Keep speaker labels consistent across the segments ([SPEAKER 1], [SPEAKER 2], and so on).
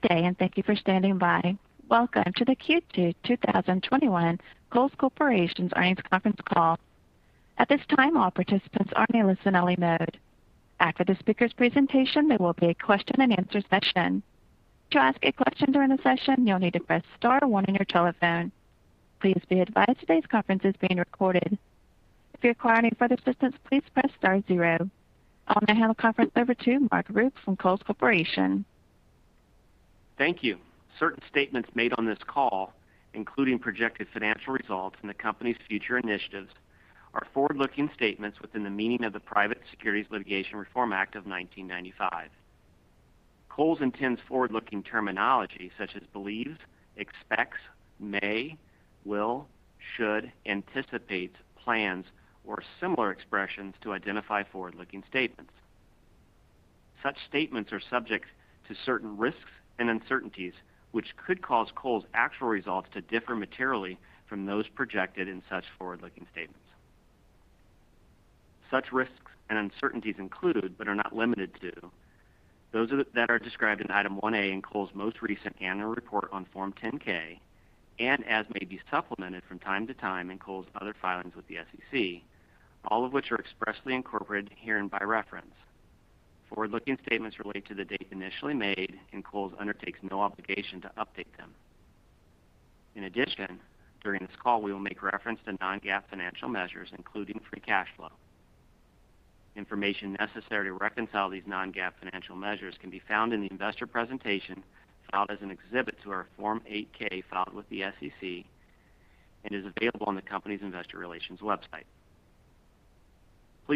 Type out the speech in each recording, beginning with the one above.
[SPEAKER 1] Good day, and thank you for standing by. Welcome to the Q2 2021 Kohl's Corporation Earnings Conference Call. At this time, all participants are in a listen-only mode. After the speaker's presentation, there will be a question and answer session. To ask a question during the session, you'll need to press star one on your telephone. Please be advised today's conference is being recorded. If you require any further assistance, please press star zero. I'll now hand the conference over to Mark Rupe from Kohl's Corporation.
[SPEAKER 2] Thank you. Certain statements made on this call, including projected financial results and the company's future initiatives, are forward-looking statements within the meaning of the Private Securities Litigation Reform Act of 1995. Kohl's intends forward-looking terminology such as believes, expects, may, will, should, anticipates, plans, or similar expressions to identify forward-looking statements. Such statements are subject to certain risks and uncertainties, which could cause Kohl's actual results to differ materially from those projected in such forward-looking statements. Such risks and uncertainties include, but are not limited to, those that are described in Item 1A in Kohl's most recent annual report on Form 10-K and as may be supplemented from time to time in Kohl's other filings with the SEC, all of which are expressly incorporated herein by reference. Forward-looking statements relate to the date initially made, and Kohl's undertakes no obligation to update them. In addition, during this call, we will make reference to non-GAAP financial measures, including free cash flow. Information necessary to reconcile these non-GAAP financial measures can be found in the investor presentation filed as an exhibit to our Form 8-K filed with the SEC and is available on the company's investor relations website.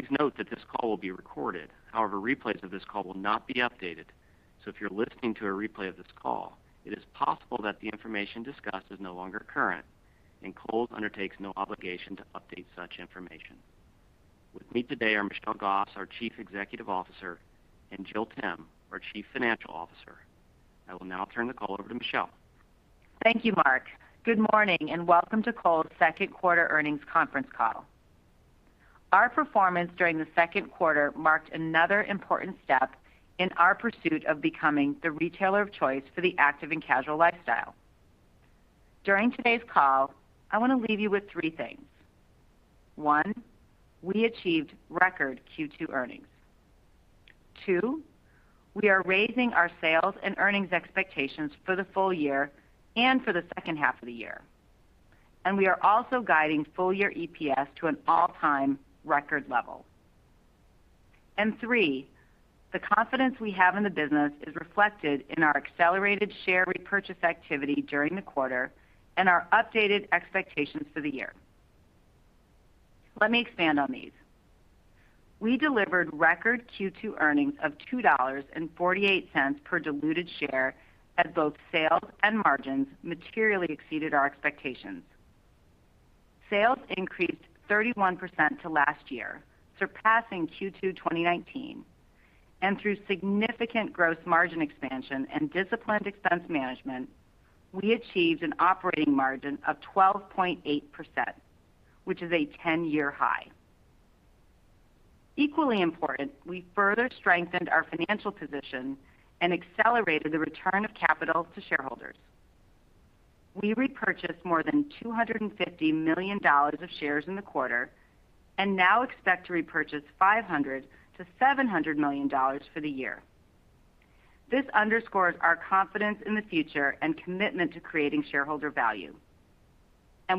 [SPEAKER 2] Please note that this call will be recorded. However, replays of this call will not be updated, so if you're listening to a replay of this call, it is possible that the information discussed is no longer current, and Kohl's undertakes no obligation to update such information. With me today are Michelle Gass, our Chief Executive Officer, and Jill Timm, our Chief Financial Officer. I will now turn the call over to Michelle.
[SPEAKER 3] Thank you, Mark. Good morning and welcome to Kohl's second quarter earnings conference call. Our performance during the second quarter marked another important step in our pursuit of becoming the retailer of choice for the active and casual lifestyle. During today's call, I want to leave you with three things. One, we achieved record Q2 earnings. Two, we are raising our sales and earnings expectations for the full year and for the second half of the year. We are also guiding full year EPS to an all-time record level. Three, the confidence we have in the business is reflected in our accelerated share repurchase activity during the quarter and our updated expectations for the year. Let me expand on these. We delivered record Q2 earnings of $2.48 per diluted share as both sales and margins materially exceeded our expectations. Sales increased 31% to last year, surpassing Q2 2019. Through significant gross margin expansion and disciplined expense management, we achieved an operating margin of 12.8%, which is a 10-year high. Equally important, we further strengthened our financial position and accelerated the return of capital to shareholders. We repurchased more than $250 million of shares in the quarter and now expect to repurchase $500 million-$700 million for the year. This underscores our confidence in the future and commitment to creating shareholder value.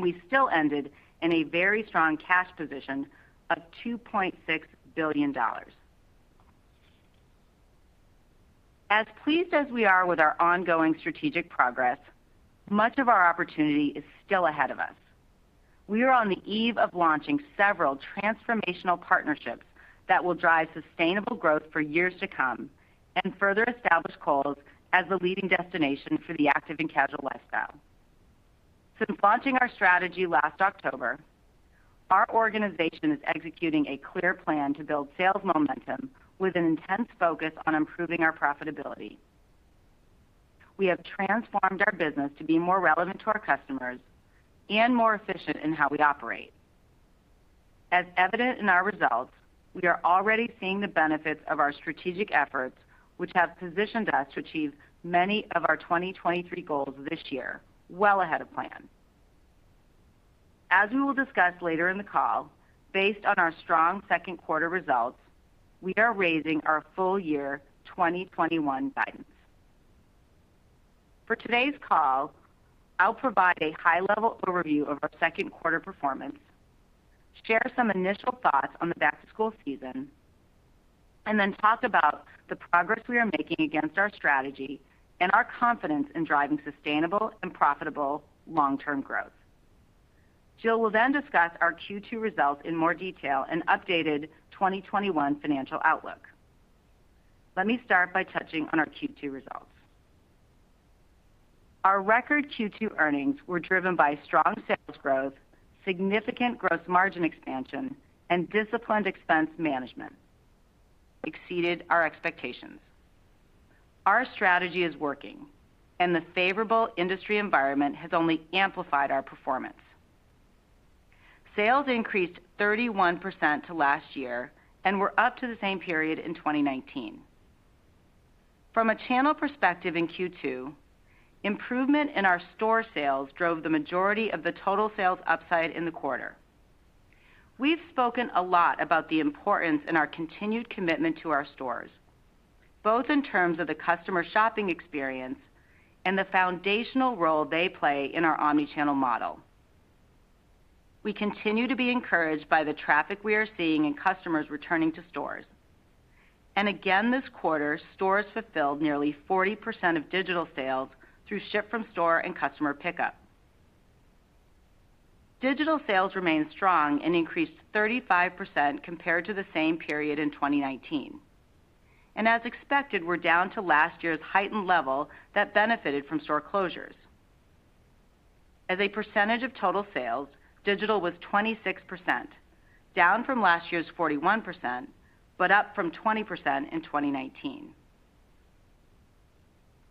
[SPEAKER 3] We still ended in a very strong cash position of $2.6 billion. As pleased as we are with our ongoing strategic progress, much of our opportunity is still ahead of us. We are on the eve of launching several transformational partnerships that will drive sustainable growth for years to come and further establish Kohl's as the leading destination for the active and casual lifestyle. Since launching our strategy last October, our organization is executing a clear plan to build sales momentum with an intense focus on improving our profitability. We have transformed our business to be more relevant to our customers and more efficient in how we operate. As evident in our results, we are already seeing the benefits of our strategic efforts, which have positioned us to achieve many of our 2023 goals this year, well ahead of plan. As we will discuss later in the call, based on our strong second quarter results, we are raising our full year 2021 guidance. For today's call, I'll provide a high-level overview of our second quarter performance, share some initial thoughts on the back-to-school season, and then talk about the progress we are making against our strategy and our confidence in driving sustainable and profitable long-term growth. Jill will discuss our Q2 results in more detail and updated 2021 financial outlook. Let me start by touching on our Q2 results. Our record Q2 earnings were driven by strong sales growth, significant gross margin expansion, and disciplined expense management exceeded our expectations. Our strategy is working, the favorable industry environment has only amplified our performance. Sales increased 31% to last year and were up to the same period in 2019. From a channel perspective in Q2, improvement in our store sales drove the majority of the total sales upside in the quarter. We've spoken a lot about the importance and our continued commitment to our stores, both in terms of the customer shopping experience and the foundational role they play in our omni-channel model. We continue to be encouraged by the traffic we are seeing in customers returning to stores. Again, this quarter, stores fulfilled nearly 40% of digital sales through ship from store and customer pickup. Digital sales remained strong and increased 35% compared to the same period in 2019, and as expected, we're down to last year's heightened level that benefited from store closures. As a percentage of total sales, digital was 26%, down from last year's 41%, but up from 20% in 2019.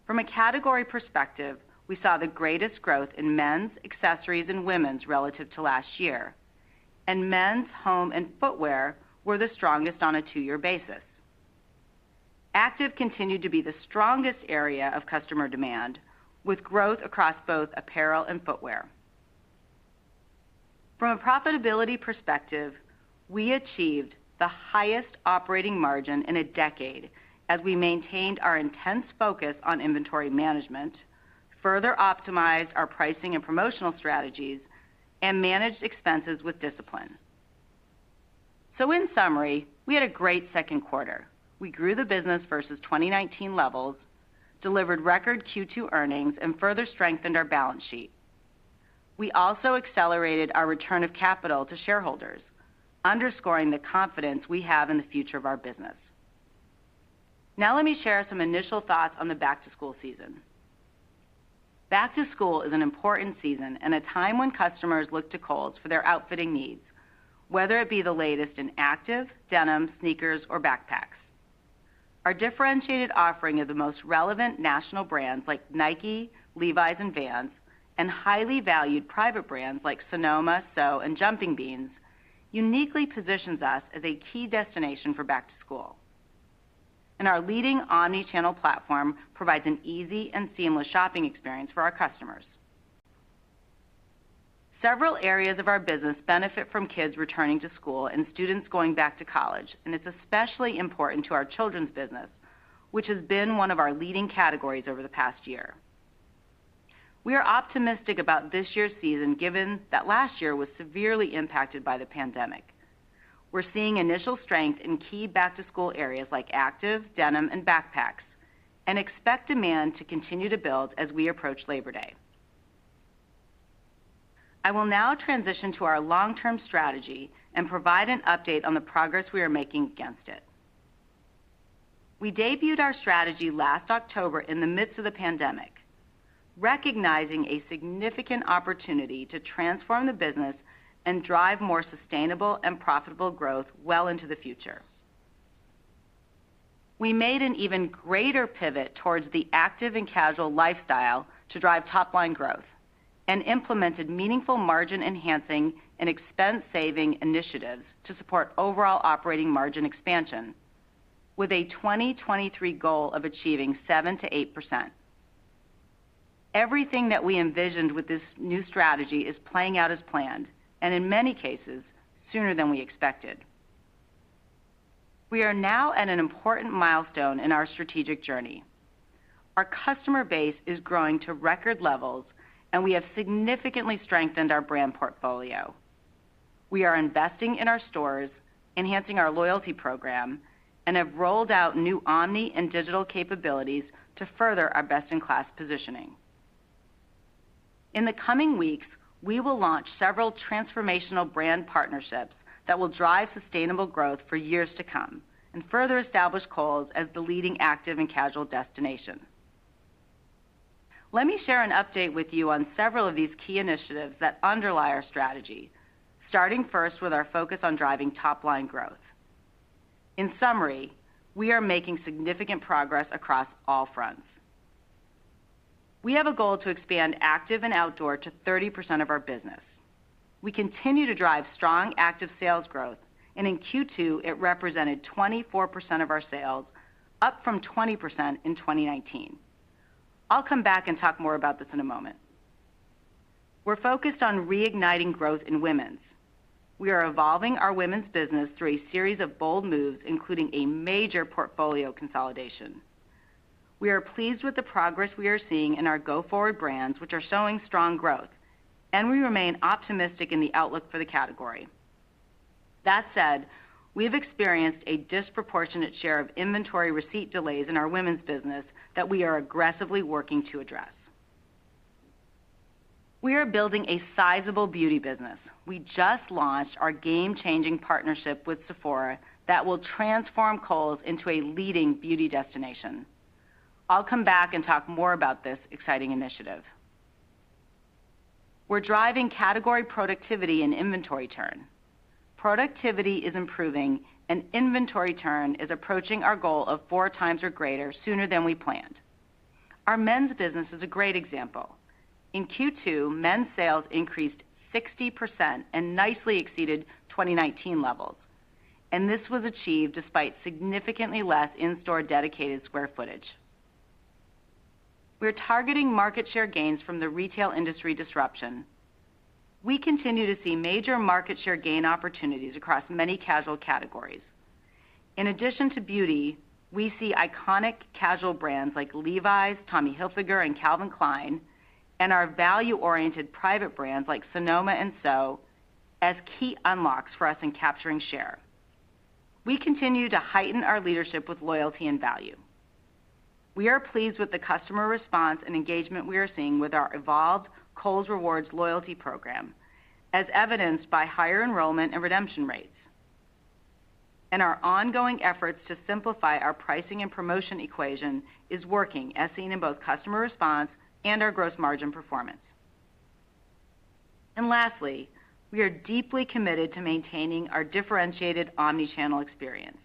[SPEAKER 3] From a category perspective, we saw the greatest growth in men's accessories and women's relative to last year. Men's home and footwear were the strongest on a two-year basis. Active continued to be the strongest area of customer demand, with growth across both apparel and footwear. From a profitability perspective, we achieved the highest operating margin in a decade as we maintained our intense focus on inventory management, further optimized our pricing and promotional strategies, and managed expenses with discipline. In summary, we had a great second quarter. We grew the business versus 2019 levels, delivered record Q2 earnings, and further strengthened our balance sheet. We also accelerated our return of capital to shareholders, underscoring the confidence we have in the future of our business. Let me share some initial thoughts on the back-to-school season. Back-to-school is an important season and a time when customers look to Kohl's for their outfitting needs, whether it be the latest in active, denim, sneakers, or backpacks. Our differentiated offering of the most relevant national brands like Nike, Levi's, and Vans, and highly valued private brands like Sonoma, SO, and Jumping Beans uniquely positions us as a key destination for back-to-school. Our leading omni-channel platform provides an easy and seamless shopping experience for our customers. Several areas of our business benefit from kids returning to school and students going back to college, and it's especially important to our children's business, which has been one of our leading categories over the past year. We are optimistic about this year's season, given that last year was severely impacted by the pandemic. We're seeing initial strength in key back-to-school areas like active, denim, and backpacks, and expect demand to continue to build as we approach Labor Day. I will now transition to our long-term strategy and provide an update on the progress we are making against it. We debuted our strategy last October in the midst of the pandemic, recognizing a significant opportunity to transform the business and drive more sustainable and profitable growth well into the future. We made an even greater pivot towards the active and casual lifestyle to drive top-line growth and implemented meaningful margin-enhancing and expense-saving initiatives to support overall operating margin expansion with a 2023 goal of achieving 7%-8%. Everything that we envisioned with this new strategy is playing out as planned, and in many cases, sooner than we expected. We are now at an important milestone in our strategic journey. Our customer base is growing to record levels, and we have significantly strengthened our brand portfolio. We are investing in our stores, enhancing our loyalty program, and have rolled out new omni and digital capabilities to further our best-in-class positioning. In the coming weeks, we will launch several transformational brand partnerships that will drive sustainable growth for years to come and further establish Kohl's as the leading active and casual destination. Let me share an update with you on several of these key initiatives that underlie our strategy, starting first with our focus on driving top-line growth. In summary, we are making significant progress across all fronts. We have a goal to expand active and outdoor to 30% of our business. We continue to drive strong active sales growth, and in Q2, it represented 24% of our sales, up from 20% in 2019. I'll come back and talk more about this in a moment. We're focused on reigniting growth in women's. We are evolving our women's business through a series of bold moves, including a major portfolio consolidation. We are pleased with the progress we are seeing in our go-forward brands, which are showing strong growth, and we remain optimistic in the outlook for the category. We have experienced a disproportionate share of inventory receipt delays in our women's business that we are aggressively working to address. We are building a sizable beauty business. We just launched our game-changing partnership with Sephora that will transform Kohl's into a leading beauty destination. I'll come back and talk more about this exciting initiative. We're driving category productivity and inventory turns. Productivity is improving, and inventory turn is approaching our goal of four times or greater sooner than we planned. Our men's business is a great example. In Q2, men's sales increased 60% and nicely exceeded 2019 levels. This was achieved despite significantly less in-store dedicated square footage. We're targeting market share gains from the retail industry disruption. We continue to see major market share gain opportunities across many casual categories. In addition to beauty, we see iconic casual brands like Levi's, Tommy Hilfiger, and Calvin Klein, and our value-oriented private brands like Sonoma and SO, as key unlocks for us in capturing share. We continue to heighten our leadership with loyalty and value. We are pleased with the customer response and engagement we are seeing with our evolved Kohl's Rewards loyalty program, as evidenced by higher enrollment and redemption rates. Our ongoing efforts to simplify our pricing and promotion equation is working, as seen in both customer response and our gross margin performance. Lastly, we are deeply committed to maintaining our differentiated omnichannel experience.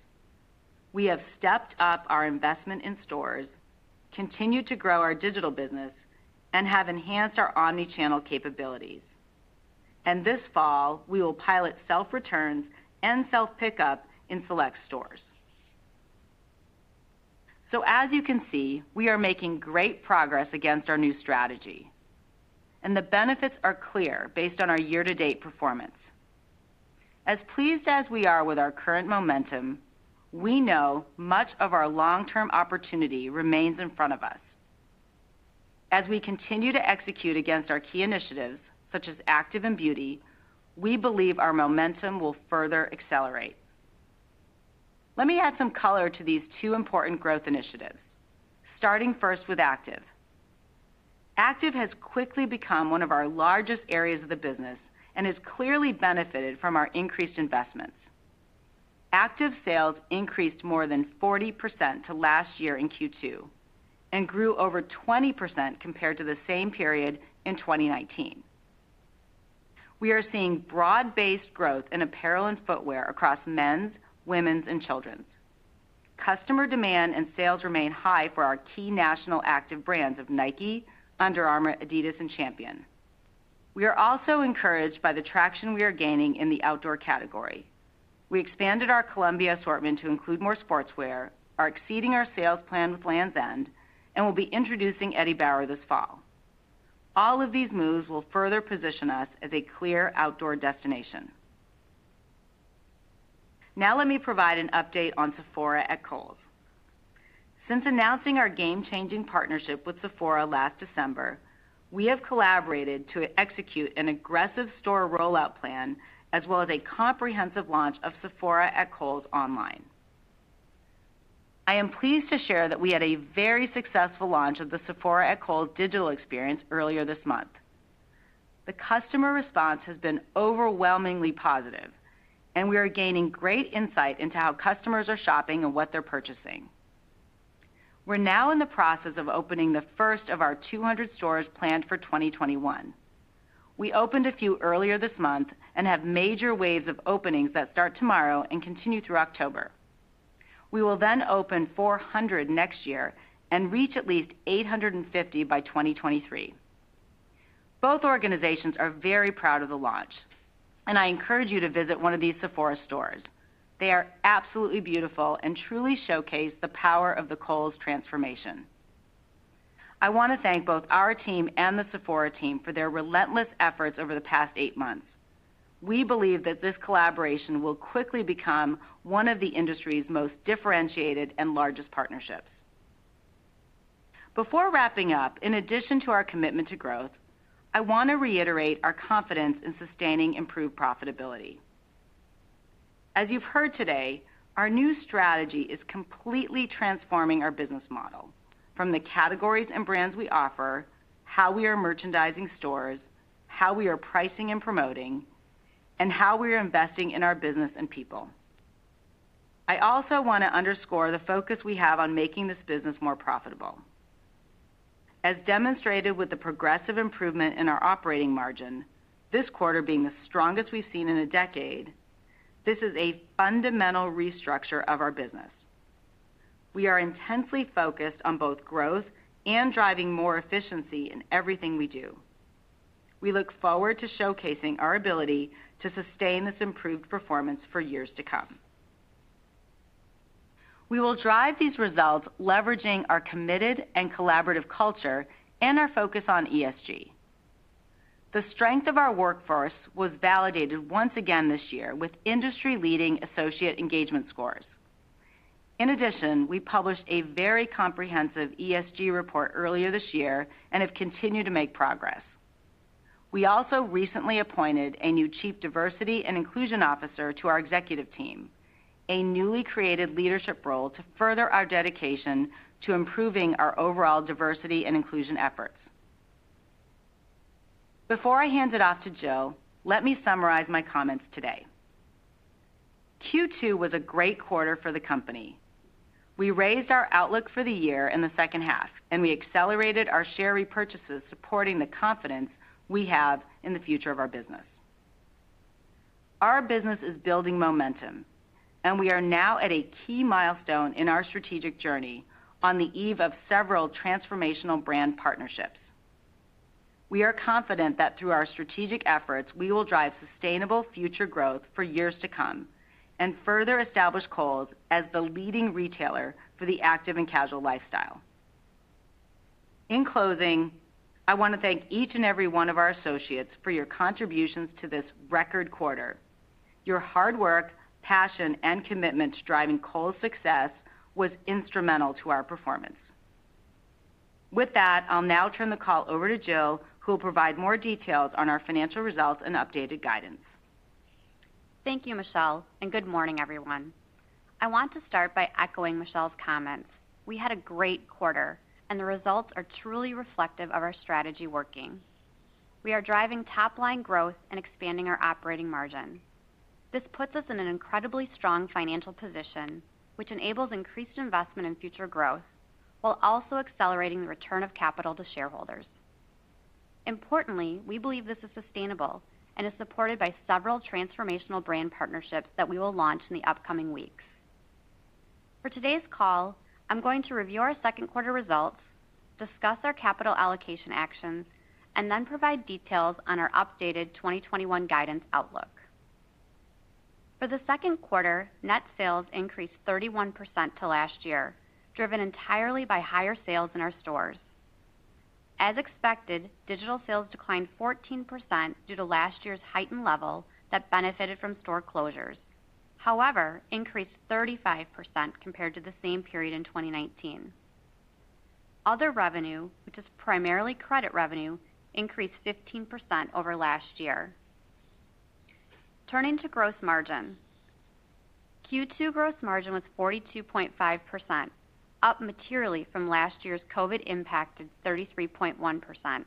[SPEAKER 3] We have stepped up our investment in stores, continue to grow our digital business, and have enhanced our omnichannel capabilities. This fall, we will pilot self-returns and self-pickup in select stores. As you can see, we are making great progress against our new strategy, and the benefits are clear based on our year-to-date performance. As pleased as we are with our current momentum, we know much of our long-term opportunity remains in front of us. As we continue to execute against our key initiatives, such as active and beauty, we believe our momentum will further accelerate. Let me add some color to these two important growth initiatives, starting first with active. Active has quickly become one of our largest areas of the business and has clearly benefited from our increased investments. Active sales increased more than 40% to last year in Q2 and grew over 20% compared to the same period in 2019. We are seeing broad-based growth in apparel and footwear across men's, women's, and children's. Customer demand and sales remain high for our key national active brands of Nike, Under Armour, Adidas, and Champion. We are also encouraged by the traction we are gaining in the outdoor category. We expanded our Columbia assortment to include more sportswear, are exceeding our sales plan with Lands' End, and will be introducing Eddie Bauer this fall. All of these moves will further position us as a clear outdoor destination. Now let me provide an update on Sephora at Kohl's. Since announcing our game-changing partnership with Sephora last December, we have collaborated to execute an aggressive store rollout plan, as well as a comprehensive launch of Sephora at Kohl's online. I am pleased to share that we had a very successful launch of the Sephora at Kohl's digital experience earlier this month. The customer response has been overwhelmingly positive, and we are gaining great insight into how customers are shopping and what they're purchasing. We're now in the process of opening the first of our 200 stores planned for 2021. We opened a few earlier this month and have major waves of openings that start tomorrow and continue through October. We will then open 400 next year and reach at least 850 by 2023. Both organizations are very proud of the launch, and I encourage you to visit one of these Sephora stores. They are absolutely beautiful and truly showcase the power of the Kohl's transformation. I want to thank both our team and the Sephora team for their relentless efforts over the past eight months. We believe that this collaboration will quickly become one of the industry's most differentiated and largest partnerships. Before wrapping up, in addition to our commitment to growth, I want to reiterate our confidence in sustaining improved profitability. As you've heard today, our new strategy is completely transforming our business model from the categories and brands we offer, how we are merchandising stores, how we are pricing and promoting, and how we are investing in our business and people. I also want to underscore the focus we have on making this business more profitable. As demonstrated with the progressive improvement in our operating margin, this quarter being the strongest we've seen in a decade, this is a fundamental restructure of our business. We are intensely focused on both growth and driving more efficiency in everything we do. We look forward to showcasing our ability to sustain this improved performance for years to come. We will drive these results leveraging our committed and collaborative culture and our focus on ESG. The strength of our workforce was validated once again this year with industry-leading associate engagement scores. In addition, we published a very comprehensive ESG report earlier this year and have continued to make progress. We also recently appointed a new chief diversity and inclusion officer to our executive team, a newly created leadership role to further our dedication to improving our overall diversity and inclusion efforts. Before I hand it off to Jill, let me summarize my comments today. Q2 was a great quarter for the company. We raised our outlook for the year in the second half, and we accelerated our share repurchases, supporting the confidence we have in the future of our business. Our business is building momentum, and we are now at a key milestone in our strategic journey on the eve of several transformational brand partnerships. We are confident that through our strategic efforts, we will drive sustainable future growth for years to come and further establish Kohl's as the leading retailer for the active and casual lifestyle. In closing, I want to thank each and every one of our associates for your contributions to this record quarter. Your hard work, passion, and commitment to driving Kohl's success was instrumental to our performance. With that, I'll now turn the call over to Jill, who will provide more details on our financial results and updated guidance.
[SPEAKER 4] Thank you, Michelle, and good morning, everyone. I want to start by echoing Michelle's comments. We had a great quarter, and the results are truly reflective of our strategy working. We are driving top-line growth and expanding our operating margin. This puts us in an incredibly strong financial position, which enables increased investment in future growth while also accelerating the return of capital to shareholders. Importantly, we believe this is sustainable and is supported by several transformational brand partnerships that we will launch in the upcoming weeks. For today's call, I'm going to review our second quarter results, discuss our capital allocation actions, and then provide details on our updated 2021 guidance outlook. For the second quarter, net sales increased 31% to last year, driven entirely by higher sales in our stores. As expected, digital sales declined 14% due to last year's heightened level that benefited from store closures. Increased 35% compared to the same period in 2019. Other revenue, which is primarily credit revenue, increased 15% over last year. Turning to gross margin. Q2 gross margin was 42.5%, up materially from last year's COVID-impacted 33.1%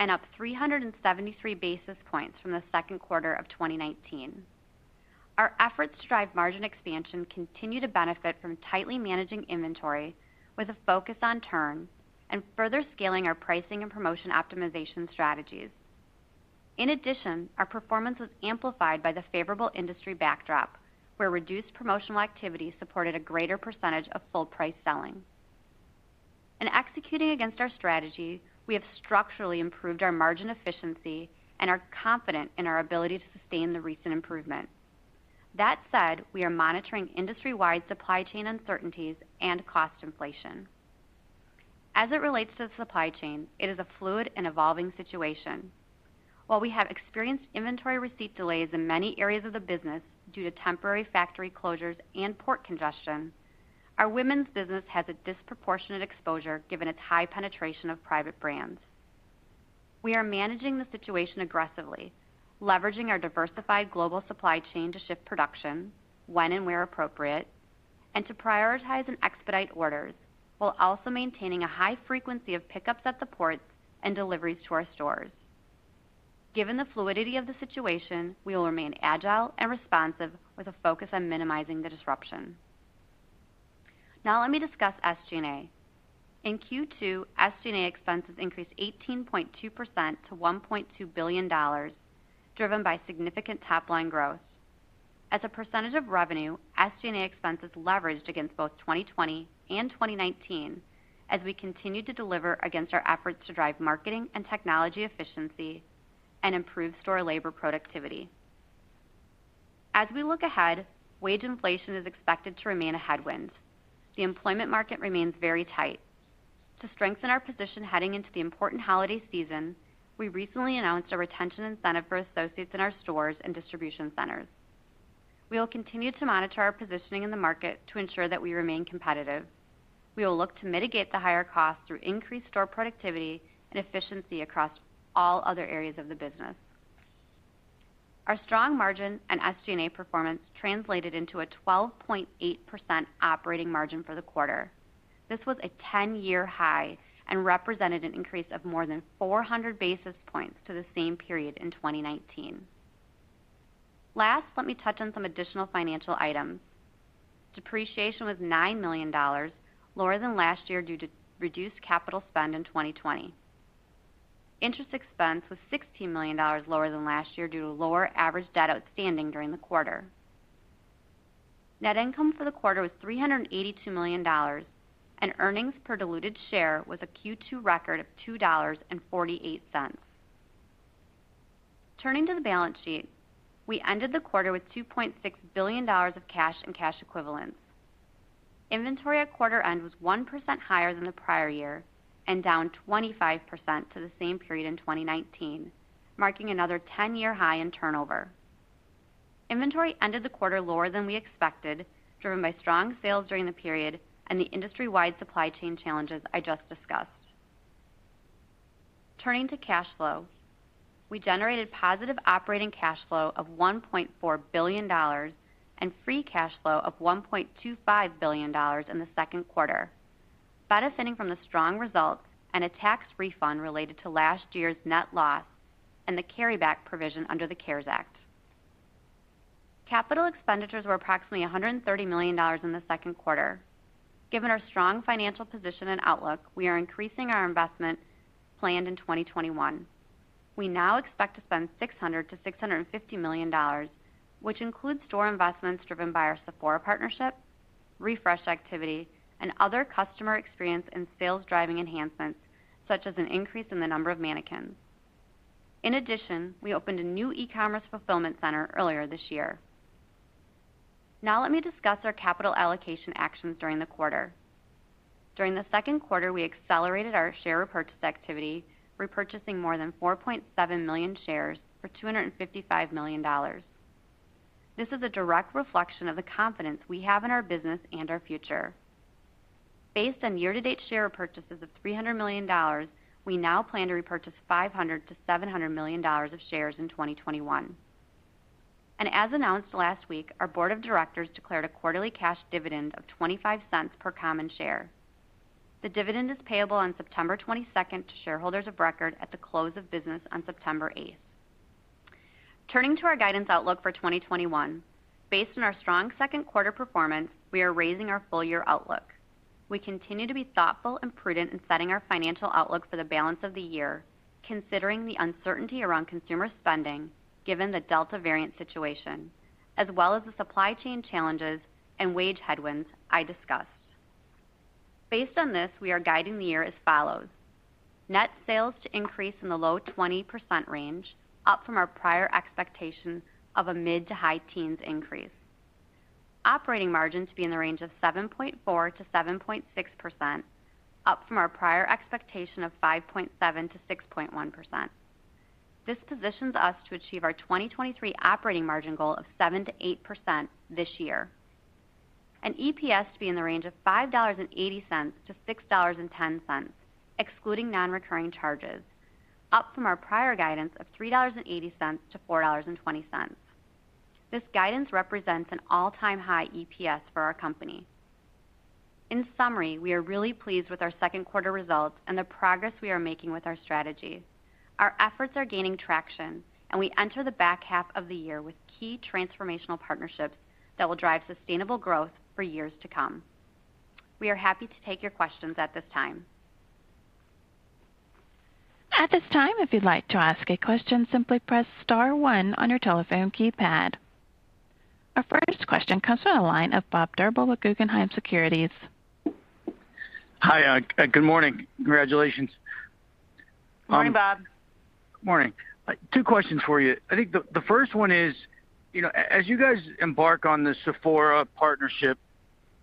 [SPEAKER 4] and up 373 basis points from the second quarter of 2019. Our efforts to drive margin expansion continue to benefit from tightly managing inventory with a focus on turn and further scaling our pricing and promotion optimization strategies. Our performance was amplified by the favorable industry backdrop, where reduced promotional activity supported a greater percentage of full price selling. In executing against our strategy, we have structurally improved our margin efficiency and are confident in our ability to sustain the recent improvement. We are monitoring industry-wide supply chain uncertainties and cost inflation. As it relates to the supply chain, it is a fluid and evolving situation. While we have experienced inventory receipt delays in many areas of the business due to temporary factory closures and port congestion, our women's business has a disproportionate exposure given its high penetration of private brands. We are managing the situation aggressively, leveraging our diversified global supply chain to shift production when and where appropriate, and to prioritize and expedite orders, while also maintaining a high frequency of pickups at the ports and deliveries to our stores. Given the fluidity of the situation, we will remain agile and responsive with a focus on minimizing the disruption. Let me discuss SG&A. In Q2, SG&A expenses increased 18.2% to $1.2 billion, driven by significant top-line growth. As a percentage of revenue, SG&A expense is leveraged against both 2020 and 2019 as we continue to deliver against our efforts to drive marketing and technology efficiency and improve store labor productivity. As we look ahead, wage inflation is expected to remain a headwind. The employment market remains very tight. To strengthen our position heading into the important holiday season, we recently announced a retention incentive for associates in our stores and distribution centers. We will continue to monitor our positioning in the market to ensure that we remain competitive. We will look to mitigate the higher cost through increased store productivity and efficiency across all other areas of the business. Our strong margin and SG&A performance translated into a 12.8% operating margin for the quarter. This was a 10-year high and represented an increase of more than 400 basis points to the same period in 2019. Last, let me touch on some additional financial items. Depreciation was $9 million, lower than last year due to reduced capital spend in 2020. Interest expense was $16 million lower than last year due to lower average debt outstanding during the quarter. Net income for the quarter was $382 million, and earnings per diluted share was a Q2 record of $2.48. Turning to the balance sheet, we ended the quarter with $2.6 billion of cash and cash equivalents. Inventory at quarter end was 1% higher than the prior year and down 25% to the same period in 2019, marking another 10-year high in turnover. Inventory ended the quarter lower than we expected, driven by strong sales during the period and the industry-wide supply chain challenges I just discussed. Turning to cash flow. We generated positive operating cash flow of $1.4 billion and free cash flow of $1.25 billion in the second quarter, benefiting from the strong results and a tax refund related to last year's net loss and the carryback provision under the CARES Act. Capital expenditures were approximately $130 million in the second quarter. Given our strong financial position and outlook, we are increasing our investment planned in 2021. We now expect to spend $600 million-$650 million, which includes store investments driven by our Sephora partnership, refresh activity, and other customer experience and sales-driving enhancements, such as an increase in the number of mannequins. In addition, we opened a new e-commerce fulfillment center earlier this year. Now let me discuss our capital allocation actions during the quarter. During the second quarter, we accelerated our share repurchase activity, repurchasing more than 4.7 million shares for $255 million. This is a direct reflection of the confidence we have in our business and our future. Based on year-to-date share repurchases of $300 million, we now plan to repurchase $500 million-$700 million of shares in 2021. As announced last week, our board of directors declared a quarterly cash dividend of $0.25 per common share. The dividend is payable on September 22nd to shareholders of record at the close of business on September 8th. Turning to our guidance outlook for 2021. Based on our strong second quarter performance, we are raising our full-year outlook. We continue to be thoughtful and prudent in setting our financial outlook for the balance of the year, considering the uncertainty around consumer spending given the Delta variant situation, as well as the supply chain challenges and wage headwinds I discussed. Based on this, we are guiding the year as follows: Net sales to increase in the low 20% range, up from our prior expectation of a mid to high teens increase. Operating margin to be in the range of 7.4%-7.6%, up from our prior expectation of 5.7%-6.1%. This positions us to achieve our 2023 operating margin goal of 7%-8% this year. EPS to be in the range of $5.80-$6.10, excluding non-recurring charges, up from our prior guidance of $3.80-$4.20. This guidance represents an all-time high EPS for our company. In summary, we are really pleased with our second quarter results and the progress we are making with our strategy. Our efforts are gaining traction, and we enter the back half of the year with key transformational partnerships that will drive sustainable growth for years to come. We are happy to take your questions at this time.
[SPEAKER 1] Our first question comes from the line of Bob Drbul with Guggenheim Securities.
[SPEAKER 5] Hi, good morning. Congratulations.
[SPEAKER 3] Morning, Bob.
[SPEAKER 5] Morning. Two questions for you. I think the first one is, as you guys embark on the Sephora partnership,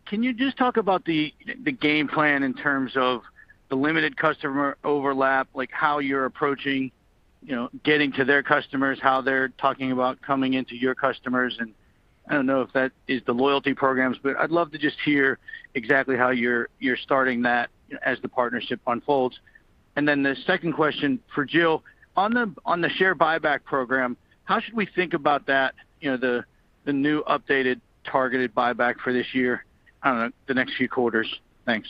[SPEAKER 5] can you just talk about the game plan in terms of the limited customer overlap, like how you're approaching getting to their customers, how they're talking about coming into your customers, and I don't know if that is the loyalty programs, but I'd love to just hear exactly how you're starting that as the partnership unfolds. The second question for Jill, on the share buyback program, how should we think about that, the new updated targeted buyback for this year, I don't know, the next few quarters? Thanks.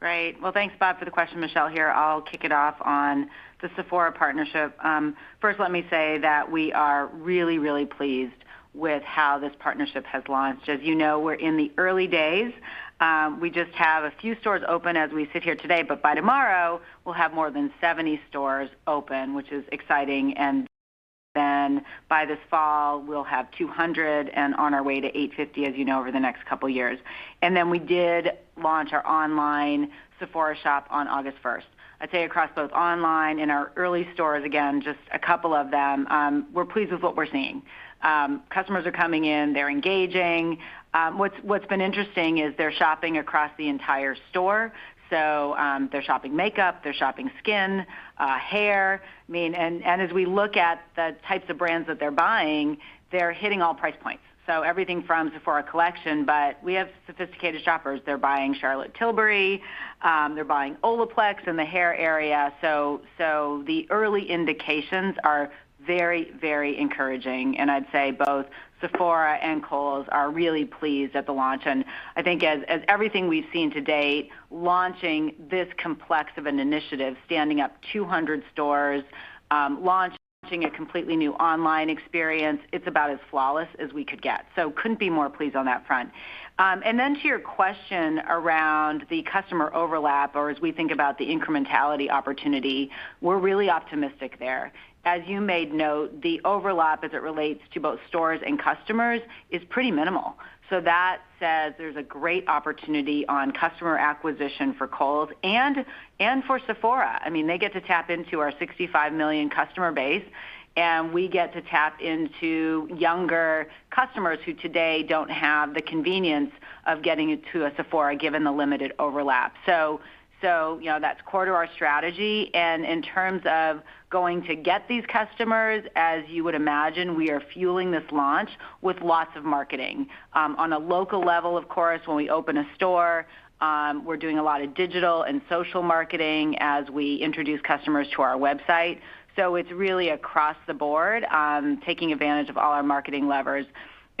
[SPEAKER 3] Great. Well, thanks, Bob, for the question. Michelle here. I'll kick it off on the Sephora partnership. First, let me say that we are really pleased with how this partnership has launched. As you know, we're in the early days. We just have a few stores open as we sit here today, but by tomorrow, we'll have more than 70 stores open, which is exciting. By this fall, we'll have 200 and on our way to 850, as you know, over the next couple of years. We did launch our online Sephora shop on August 1st. I'd say across both online and our early stores, again, just a couple of them, we're pleased with what we're seeing. Customers are coming in, they're engaging. What's been interesting is they're shopping across the entire store. They're shopping makeup, they're shopping skin, hair. As we look at the types of brands that they're buying, they're hitting all price points. Everything from Sephora Collection, but we have sophisticated shoppers. They're buying Charlotte Tilbury, they're buying Olaplex in the hair area. The early indications are very, very encouraging, and I'd say both Sephora and Kohl's are really pleased at the launch. I think as everything we've seen to date, launching this complex of an initiative, standing up 200 stores, launching a completely new online experience, it's about as flawless as we could get. Couldn't be more pleased on that front. Then to your question around the customer overlap, or as we think about the incrementality opportunity, we're really optimistic there. You made note, the overlap as it relates to both stores and customers is pretty minimal. That says there's a great opportunity on customer acquisition for Kohl's and for Sephora. They get to tap into our 65 million customer base, and we get to tap into younger customers who today don't have the convenience of getting into a Sephora, given the limited overlap. That's core to our strategy. In terms of going to get these customers, as you would imagine, we are fueling this launch with lots of marketing. On a local level, of course, when we open a store, we're doing a lot of digital and social marketing as we introduce customers to our website. It's really across the board, taking advantage of all our marketing levers.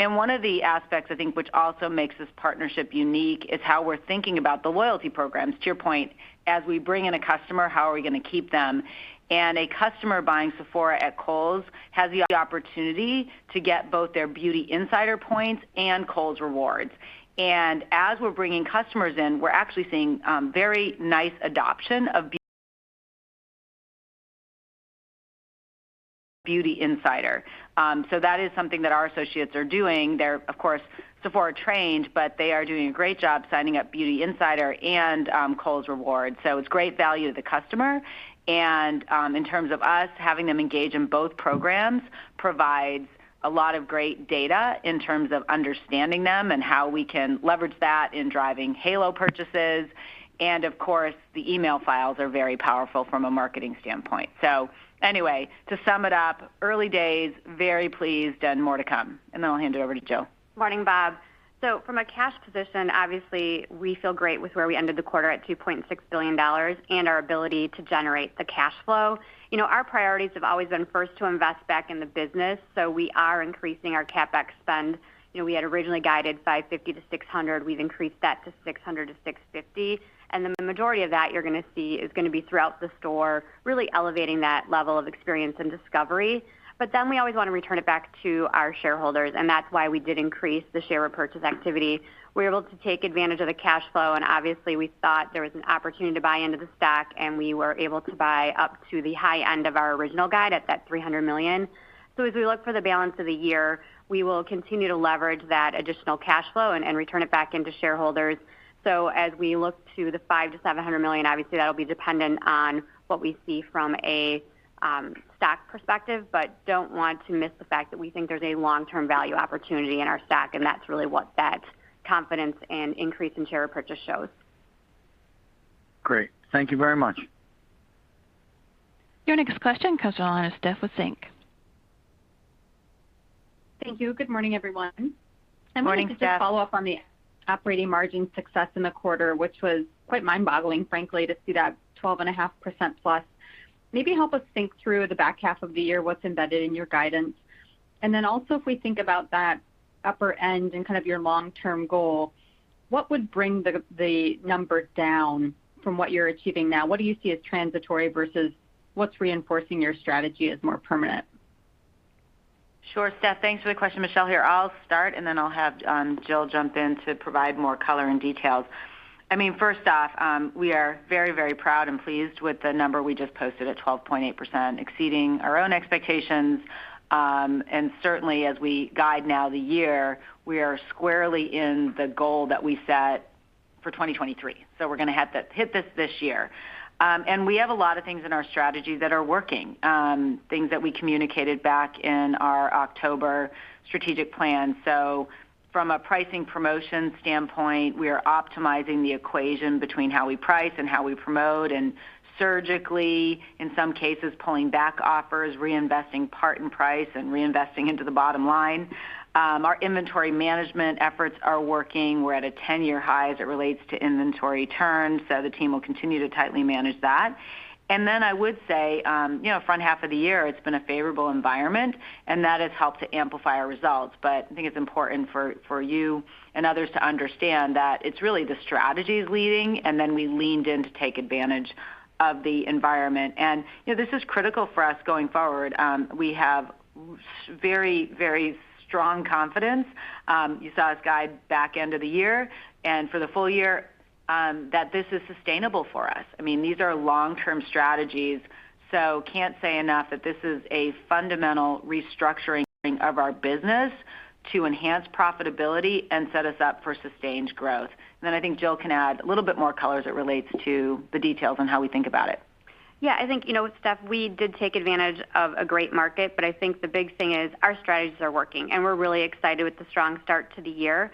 [SPEAKER 3] One of the aspects, I think, which also makes this partnership unique is how we're thinking about the loyalty programs, to your point, as we bring in a customer, how are we going to keep them. A customer buying Sephora at Kohl's has the opportunity to get both their Beauty Insider points and Kohl's Rewards. Beauty Insider. That is something that our associates are doing. They're, of course, Sephora trained, but they are doing a great job signing up Beauty Insider and Kohl's Rewards. It's great value to the customer, and in terms of us, having them engage in both programs provides a lot of great data in terms of understanding them and how we can leverage that in driving halo purchases. Of course, the email files are very powerful from a marketing standpoint. Anyway, to sum it up, early days, very pleased, and more to come. Then I'll hand it over to Jill.
[SPEAKER 4] Morning, Bob. From a cash position, obviously, we feel great with where we ended the quarter at $2.6 billion and our ability to generate the cash flow. You know, our priorities have always been first to invest back in the business. We are increasing our CapEx spend. We had originally guided by $550 million-$600 million. We've increased that to $600 million-$650 million. The majority of that, you're going to see, is going to be throughout the store, really elevating that level of experience and discovery. Then we always want to return it back to our shareholders, and that's why we did increase the share repurchase activity. We were able to take advantage of the cash flow, and obviously, we thought there was an opportunity to buy into the stock, and we were able to buy up to the high end of our original guide at that $300 million. As we look for the balance of the year, we will continue to leverage that additional cash flow and return it back into shareholders. As we look to the $500 million-$700 million, obviously, that'll be dependent on what we see from a stock perspective, don't want to miss the fact that we think there's a long-term value opportunity in our stock, and that's really what that confidence and increase in share purchase shows.
[SPEAKER 5] Great. Thank you very much.
[SPEAKER 1] Your next question comes on the line of Steph Wissink.
[SPEAKER 6] Thank you. Good morning, everyone.
[SPEAKER 3] Morning, Steph.
[SPEAKER 6] I wanted to just follow up on the operating margin success in the quarter, which was quite mind-boggling, frankly, to see that 12.5%+. Maybe help us think through the back half of the year, what's embedded in your guidance. If we think about that upper end and kind of your long-term goal, what would bring the number down from what you're achieving now? What do you see as transitory versus what's reinforcing your strategy as more permanent?
[SPEAKER 3] Sure, Steph. Thanks for the question. Michelle here. I'll start, and then I'll have Jill jump in to provide more color and details. I mean, first off, we are very proud and pleased with the number we just posted at 12.8%, exceeding our own expectations. Certainly, as we guide now the year, we are squarely in the goal that we set for 2023. We're going to hit this this year. We have a lot of things in our strategy that are working, things that we communicated back in our October strategic plan. From a pricing promotion standpoint, we are optimizing the equation between how we price and how we promote and surgically, in some cases, pulling back offers, reinvesting part and price, and reinvesting into the bottom line. Our inventory management efforts are working. We're at a 10-year high as it relates to inventory turns, so the team will continue to tightly manage that. I would say, front half of the year, it's been a favorable environment, and that has helped to amplify our results. I think it's important for you and others to understand that it's really the strategies leading, and then we leaned in to take advantage of the environment. This is critical for us going forward. We have very strong confidence. You saw us guide back end of the year and for the full year that this is sustainable for us. I mean, these are long-term strategies, so can't say enough that this is a fundamental restructuring of our business to enhance profitability and set us up for sustained growth. I think Jill can add a little bit more color as it relates to the details on how we think about it.
[SPEAKER 4] Yeah, I think, Steph, we did take advantage of a great market, but I think the big thing is our strategies are working, and we're really excited with the strong start to the year.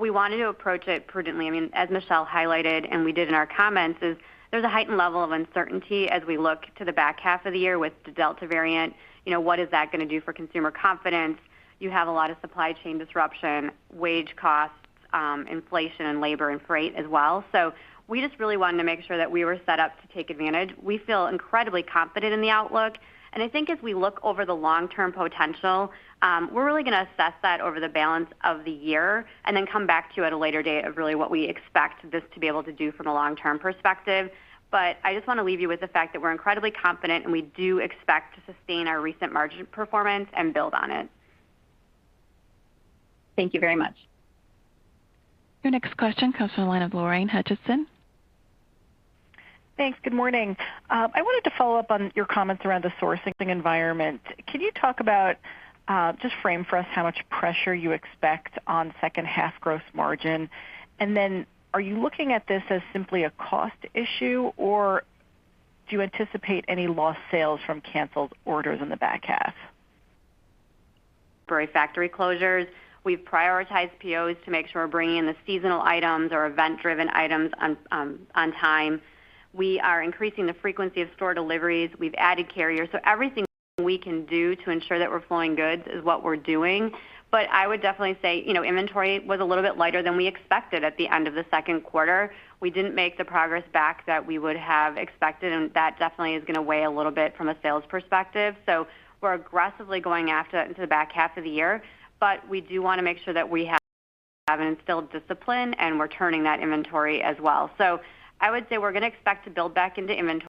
[SPEAKER 4] We wanted to approach it prudently. I mean, as Michelle highlighted and we did in our comments, there's a heightened level of uncertainty as we look to the back half of the year with the Delta variant. You know, what is that going to do for consumer confidence? You have a lot of supply chain disruption, wage costs, inflation in labor and freight as well. We just really wanted to make sure that we were set up to take advantage. We feel incredibly confident in the outlook, and I think as we look over the long-term potential, we're really going to assess that over the balance of the year and then come back to you at a later date of really what we expect this to be able to do from a long-term perspective. I just want to leave you with the fact that we're incredibly confident, and we do expect to sustain our recent margin performance and build on it.
[SPEAKER 6] Thank you very much.
[SPEAKER 1] Your next question comes from the line of Lorraine Hutchinson.
[SPEAKER 7] Thanks. Good morning. I wanted to follow up on your comments around the sourcing environment. Can you talk about, just frame for us how much pressure you expect on second half gross margin? Are you looking at this as simply a cost issue, or do you anticipate any lost sales from canceled orders in the back half?
[SPEAKER 4] For factory closures, we've prioritized POs to make sure we're bringing in the seasonal items or event-driven items on time. We are increasing the frequency of store deliveries. We've added carriers. Everything we can do to ensure that we're flowing goods is what we're doing. I would definitely say, inventory was a little bit lighter than we expected at the end of the second quarter. We didn't make the progress back that we would have expected, and that definitely is going to weigh a little bit from a sales perspective. We're aggressively going after that into the back half of the year, but we do want to make sure that we have an instilled discipline and we're turning that inventory as well. I would say we're going to expect to build back into inventory.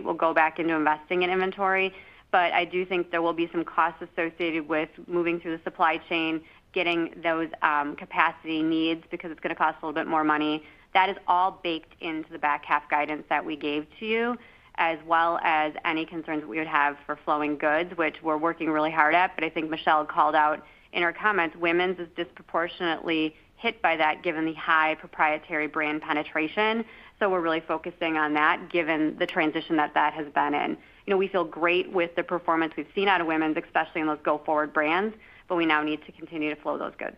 [SPEAKER 4] We'll go back into investing in inventory, but I do think there will be some costs associated with moving through the supply chain, getting those capacity needs, because it's going to cost a little bit more money. That is all baked into the back half guidance that we gave to you, as well as any concerns we would have for flowing goods, which we're working really hard at. I think Michelle had called out in her comments, women's is disproportionately hit by that given the high proprietary brand penetration. We're really focusing on that given the transition that has been in. We feel great with the performance we've seen out of women's, especially in those go forward brands, but we now need to continue to flow those goods.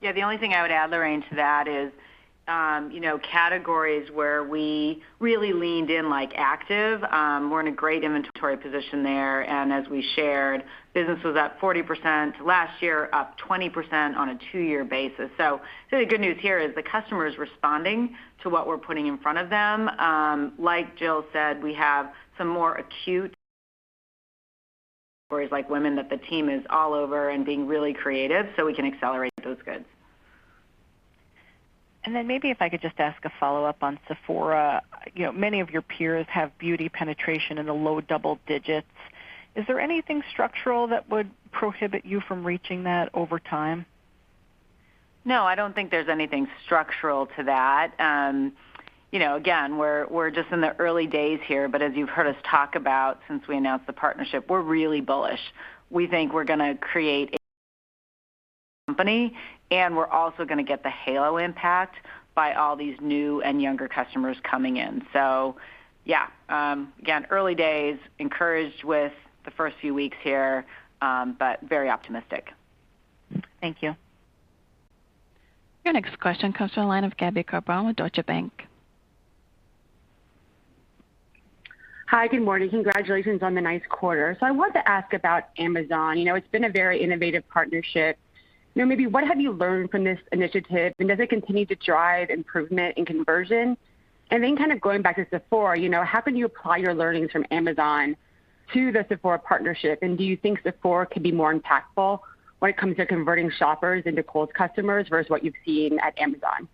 [SPEAKER 3] Yeah, the only thing I would add, Lorraine, to that is, categories where we really leaned in, like active, we're in a great inventory position there, and as we shared, business was up 40% last year, up 20% on a two-year basis. The good news here is the customer is responding to what we're putting in front of them. Like Jill said, we have some more acute categories, like women, that the team is all over and being really creative so we can accelerate those goods.
[SPEAKER 7] Maybe if I could just ask a follow-up on Sephora. Many of your peers have beauty penetration in the low double digits. Is there anything structural that would prohibit you from reaching that over time?
[SPEAKER 3] No, I don't think there's anything structural to that. Again, we're just in the early days here, but as you've heard us talk about since we announced the partnership, we're really bullish. We think we're going to create a company, and we're also going to get the halo impact by all these new and younger customers coming in. Yeah. Again, early days, encouraged with the first few weeks here, but very optimistic.
[SPEAKER 7] Thank you.
[SPEAKER 1] Your next question comes from the line of Gaby Carbone with Deutsche Bank.
[SPEAKER 8] Hi, good morning. Congratulations on the nice quarter. I wanted to ask about Amazon. It's been a very innovative partnership. Maybe what have you learned from this initiative, and does it continue to drive improvement in conversion? Kind of going back to Sephora, how can you apply your learnings from Amazon to the Sephora partnership, and do you think Sephora could be more impactful when it comes to converting shoppers into Kohl's customers versus what you've seen at Amazon?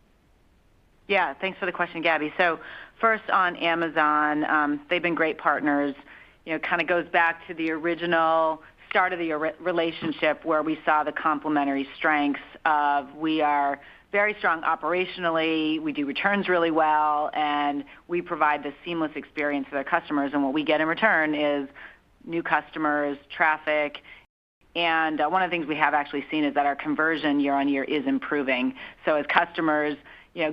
[SPEAKER 3] Yeah. Thanks for the question, Gaby. First on Amazon, they've been great partners. It kind of goes back to the original start of the relationship where we saw the complementary strengths of, we are very strong operationally, we do returns really well, and we provide this seamless experience for their customers. What we get in return is new customers, traffic. One of the things we have actually seen is that our conversion year-on-year is improving. As customers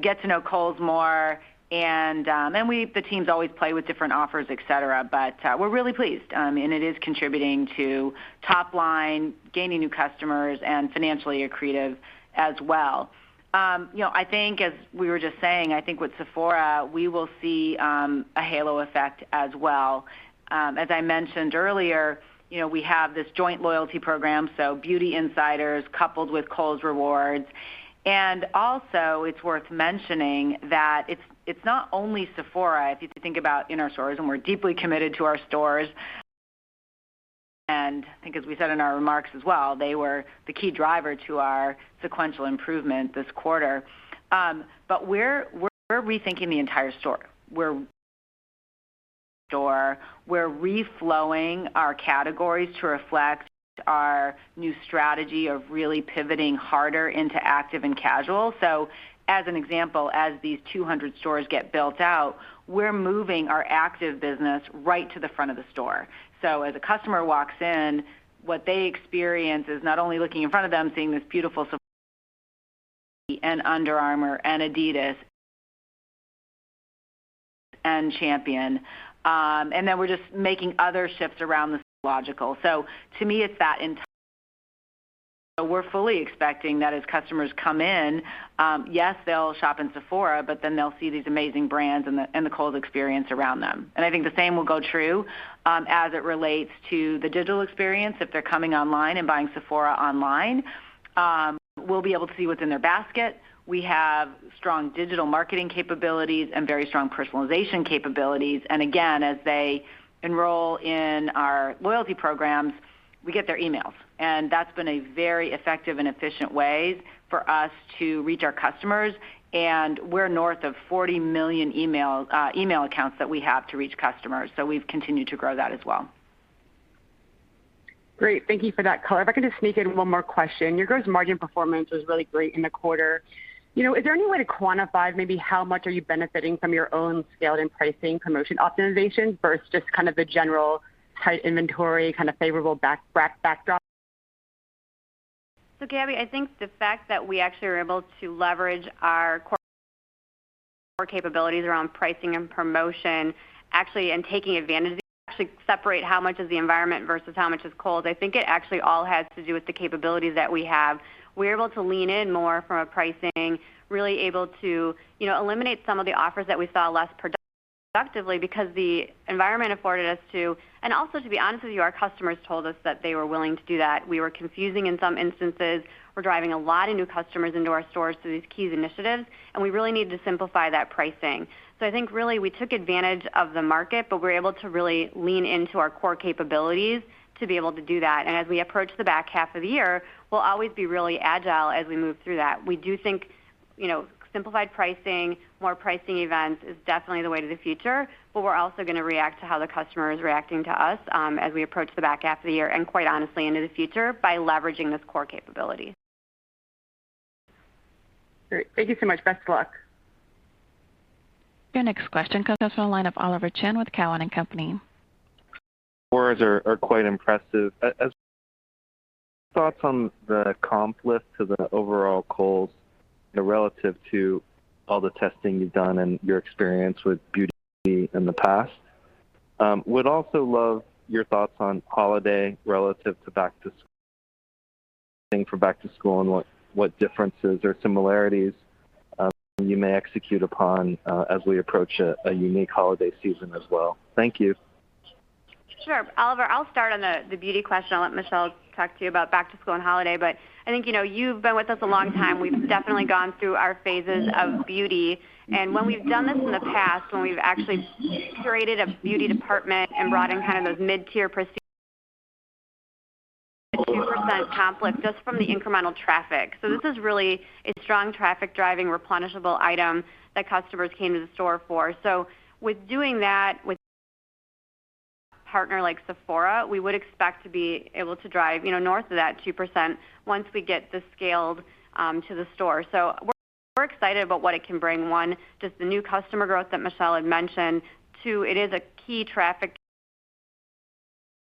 [SPEAKER 3] get to know Kohl's more, and then the teams always play with different offers, et cetera, but we're really pleased. It is contributing to top line, gaining new customers, and financially accretive as well. I think as we were just saying, I think with Sephora, we will see a halo effect as well. As I mentioned earlier, we have this joint loyalty program, Beauty Insiders coupled with Kohl's Rewards. Also, it's worth mentioning that it's not only Sephora. If you think about in our stores, we're deeply committed to our stores, I think as we said in our remarks as well, they were the key driver to our sequential improvement this quarter. We're rethinking the entire store. We're reflowing our categories to reflect our new strategy of really pivoting harder into active and casual. As an example, as these 200 stores get built out, we're moving our active business right to the front of the store. As a customer walks in, what they experience is not only looking in front of them, seeing this beautiful Sephora, Under Armour, Adidas, and Champion, then we're just making other shifts around the store that are logical. To me, we're fully expecting that as customers come in, yes, they'll shop in Sephora, but then they'll see these amazing brands and the Kohl's experience around them. I think the same will go true, as it relates to the digital experience. If they're coming online and buying Sephora online, we'll be able to see what's in their basket. We have strong digital marketing capabilities and very strong personalization capabilities. Again, as they enroll in our loyalty programs, we get their emails. That's been a very effective and efficient way for us to reach our customers, and we're north of 40 million email accounts that we have to reach customers. We've continued to grow that as well.
[SPEAKER 8] Great. Thank you for that color. If I could just sneak in one more question. Your gross margin performance was really great in the quarter. Is there any way to quantify maybe how much are you benefiting from your own scaled and pricing promotion optimization versus just the general tight inventory, favorable backdrop?
[SPEAKER 4] Gaby, I think the fact that we actually were able to leverage our core capabilities around pricing and promotion, actually, and taking advantage of, actually separate how much is the environment versus how much is Kohl's. I think it actually all has to do with the capabilities that we have. We're able to lean in more from a pricing, really able to eliminate some of the offers that we saw less productively because the environment afforded us to. Also, to be honest with you, our customers told us that they were willing to do that. We were confusing in some instances. We're driving a lot of new customers into our stores through these key initiatives, and we really need to simplify that pricing. I think really we took advantage of the market, but we're able to really lean into our core capabilities to be able to do that. As we approach the back half of the year, we'll always be really agile as we move through that. We do think simplified pricing, more pricing events is definitely the way to the future. We're also going to react to how the customer is reacting to us, as we approach the back half of the year and quite honestly, into the future by leveraging this core capability.
[SPEAKER 8] Great. Thank you so much. Best of luck.
[SPEAKER 1] Your next question comes from the line of Oliver Chen with Cowen and Company.
[SPEAKER 9] Words are quite impressive. Any thoughts on the comp lift to the overall Kohl's, relative to all the testing you've done and your experience with beauty in the past? Would also love your thoughts on holiday relative to back to school, thinking for back to school and what differences or similarities you may execute upon, as we approach a unique holiday season as well? Thank you.
[SPEAKER 4] Sure. Oliver, I will start on the beauty question. I will let Michelle talk to you about back to school and holiday, I think, you have been with us a long time. We have definitely gone through our phases of beauty. When we have done this in the past, when we have actually curated a beauty department and brought in those mid-tier prestige, a 2% comp lift just from the incremental traffic. This is really a strong traffic driving replenishable item that customers came to the store for. With doing that with a partner like Sephora, we would expect to be able to drive north of that 2% once we get this scaled to the store. We are excited about what it can bring. One, just the new customer growth that Michelle had mentioned. Two, it is a key traffic,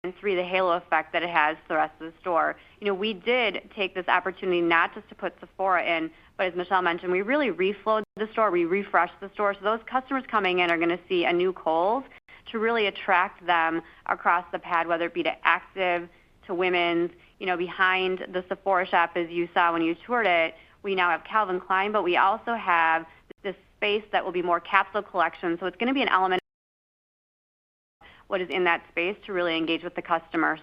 [SPEAKER 4] and three, the halo effect that it has to the rest of the store. We did take this opportunity not just to put Sephora in, but as Michelle mentioned, we really reflowed the store. We refreshed the store. Those customers coming in are going to see a new Kohl's to really attract them across the pad, whether it be to active, to women's. Behind the Sephora shop, as you saw when you toured it, we now have Calvin Klein, but we also have this space that will be more capsule collection. It's going to be an element what is in that space to really engage with the customer.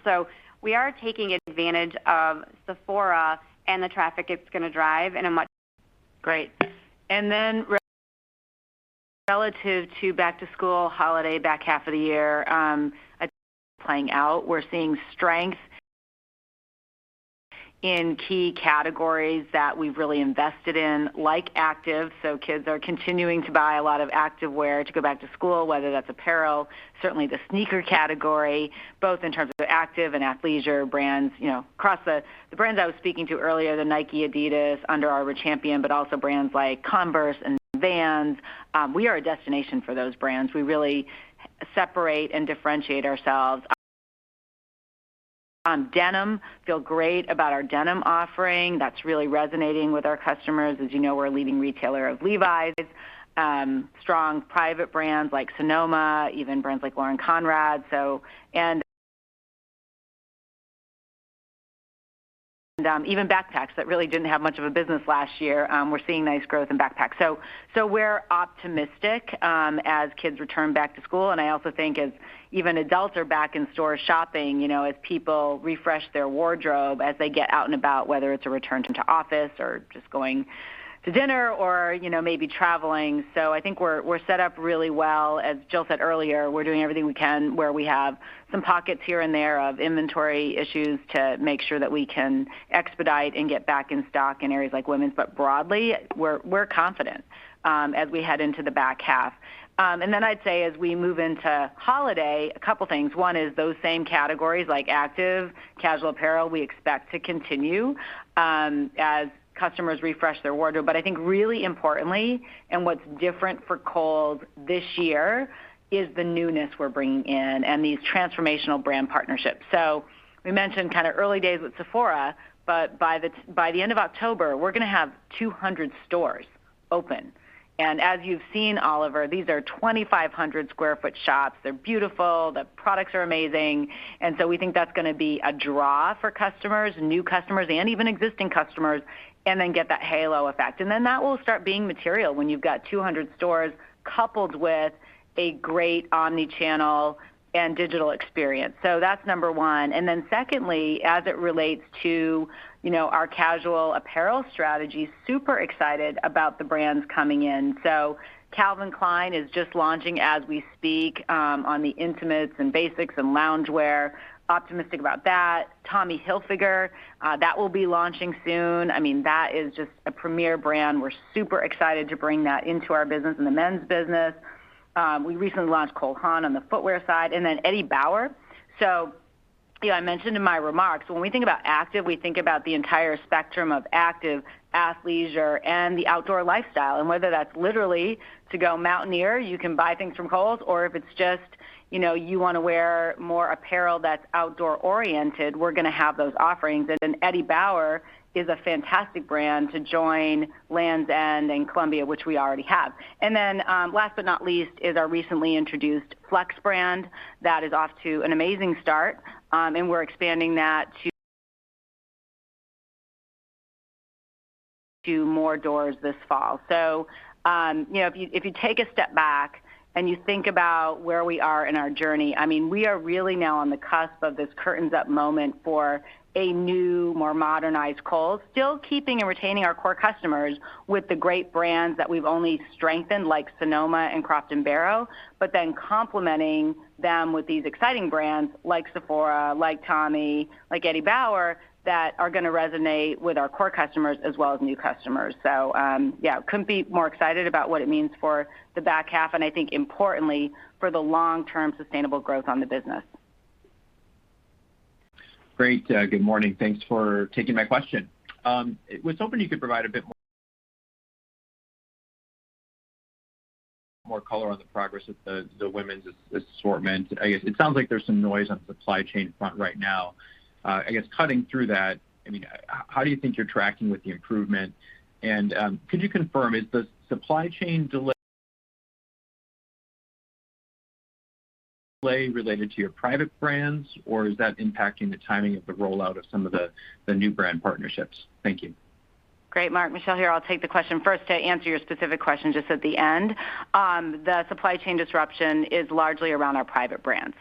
[SPEAKER 4] We are taking advantage of Sephora and the traffic it's going to drive in a much-
[SPEAKER 3] Great. Relative to back to school, holiday, back half of the year, I think playing out. We're seeing strength in key categories that we've really invested in, like active. Kids are continuing to buy a lot of active wear to go back to school, whether that's apparel, certainly the sneaker category, both in terms of active and athleisure brands, across the brands I was speaking to earlier, the Nike, Adidas, Under Armour, Champion, but also brands like Converse and Vans. We are a destination for those brands. We really separate and differentiate ourselves. Denim, feel great about our denim offering. That's really resonating with our customers. As you know, we're a leading retailer of Levi's. Strong private brands like Sonoma, even brands like Lauren Conrad. Even backpacks that really didn't have much of a business last year. We're seeing nice growth in backpacks. We're optimistic, as kids return back to school, and I also think as even adults are back in store shopping, as people refresh their wardrobe, as they get out and about, whether it's a return to office or just going to dinner or maybe traveling. I think we're set up really well. As Jill said earlier, we're doing everything we can where we have some pockets here and there of inventory issues to make sure that we can expedite and get back in stock in areas like women's, but broadly, we're confident as we head into the back half. Then I'd say as we move into holiday, a couple things. One is those same categories like active, casual apparel, we expect to continue, as customers refresh their wardrobe. I think really importantly, and what's different for Kohl's this year is the newness we're bringing in and these transformational brand partnerships. We mentioned early days with Sephora, but by the end of October, we're going to have 200 stores open. As you've seen, Oliver, these are 2,500 sq ft shops. They're beautiful. The products are amazing. We think that's going to be a draw for customers, new customers, and even existing customers, and then get that halo effect. That will start being material when you've got 200 stores coupled with a great omni-channel and digital experience. That's number one. Secondly, as it relates to our casual apparel strategy, super excited about the brands coming in. Calvin Klein is just launching as we speak, on the intimates and basics and loungewear. Optimistic about that. Tommy Hilfiger, that will be launching soon. That is just a premier brand. We're super excited to bring that into our business in the men's business. We recently launched Cole Haan on the footwear side, and then Eddie Bauer. I mentioned in my remarks, when we think about active, we think about the entire spectrum of active, athleisure, and the outdoor lifestyle, and whether that's literally to go mountaineer, you can buy things from Kohl's, or if it's just you want to wear more apparel that's outdoor oriented, we're going to have those offerings. Eddie Bauer is a fantastic brand to join Lands' End and Columbia, which we already have. Last but not least, is our recently introduced FLX brand that is off to an amazing start, and we're expanding that to more doors this fall. If you take a step back and you think about where we are in our journey, we are really now on the cusp of this curtains up moment for a new, more modernized Kohl's. Still keeping and retaining our core customers with the great brands that we've only strengthened, like Sonoma and Croft & Barrow, but then complementing them with these exciting brands like Sephora, like Tommy, like Eddie Bauer, that are going to resonate with our core customers as well as new customers. Yeah, couldn't be more excited about what it means for the back half, and I think importantly, for the long-term sustainable growth on the business.
[SPEAKER 10] Great. Good morning. Thanks for taking my question. I was hoping you could provide a bit more color on the progress of the women's assortment. I guess it sounds like there's some noise on the supply chain front right now. I guess cutting through that, how do you think you're tracking with the improvement and could you confirm, is the supply chain delay related to your private brands, or is that impacting the timing of the rollout of some of the new brand partnerships? Thank you.
[SPEAKER 3] Great, Mark. Michelle here. I'll take the question. First, to answer your specific question just at the end, the supply chain disruption is largely around our private brands.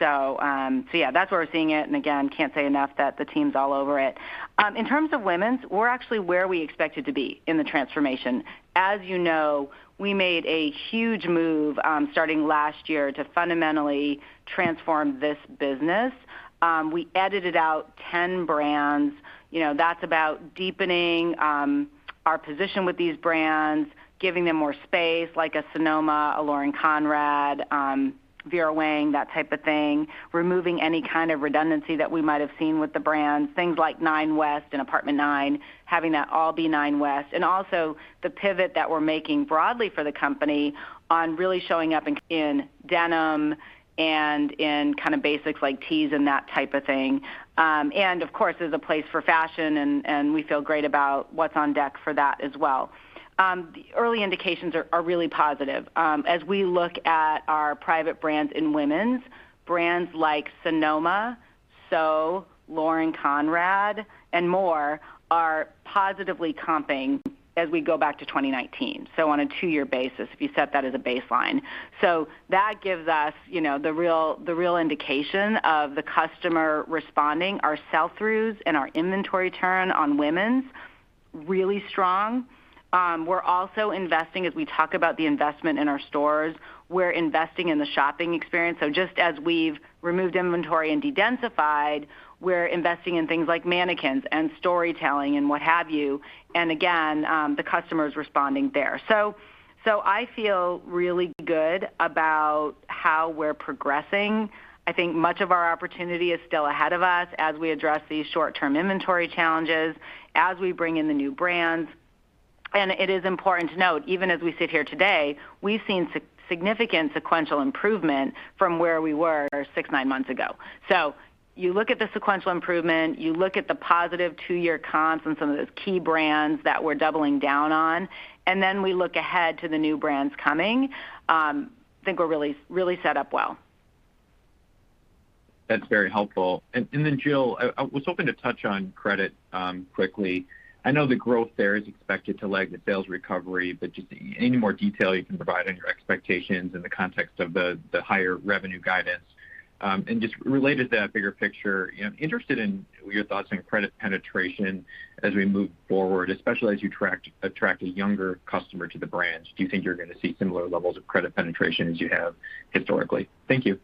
[SPEAKER 3] Yeah, that's where we're seeing it, and again, can't say enough that the team's all over it. In terms of women's, we're actually where we expected to be in the transformation. As you know, we made a huge move, starting last year to fundamentally transform this business. We edited out 10 brands. That's about deepening our position with these brands, giving them more space, like a Sonoma, a Lauren Conrad, Vera Wang, that type of thing, removing any kind of redundancy that we might have seen with the brands, things like Nine West and Apt. 9, having that all be Nine West, also the pivot that we're making broadly for the company on really showing up in denim and in basics like tees and that type of thing. Of course, there's a place for fashion, and we feel great about what's on deck for that as well. Early indications are really positive. As we look at our private brands in women's, brands like Sonoma, SO, Lauren Conrad, and more are positively comping as we go back to 2019, so on a two-year basis, if you set that as a baseline. That gives us the real indication of the customer responding. Our sell-throughs and our inventory turn on women's, really strong. We're also investing, as we talk about the investment in our stores, we're investing in the shopping experience. Just as we've removed inventory and de-densified, we're investing in things like mannequins and storytelling and what have you, and again, the customer is responding there. I feel really good about how we're progressing. I think much of our opportunity is still ahead of us as we address these short-term inventory challenges, as we bring in the new brands. It is important to note, even as we sit here today, we've seen significant sequential improvement from where we were six, nine months ago. You look at the sequential improvement, you look at the positive two-year comps on some of those key brands that we're doubling down on, we look ahead to the new brands coming, I think we're really set up well.
[SPEAKER 10] That's very helpful. Jill, I was hoping to touch on credit, quickly. I know the growth there is expected to lag the sales recovery, but just any more detail you can provide on your expectations in the context of the higher revenue guidance. Related to that bigger picture, I'm interested in your thoughts on credit penetration as we move forward, especially as you attract a younger customer to the brands. Do you think you're going to see similar levels of credit penetration as you have historically? Thank you.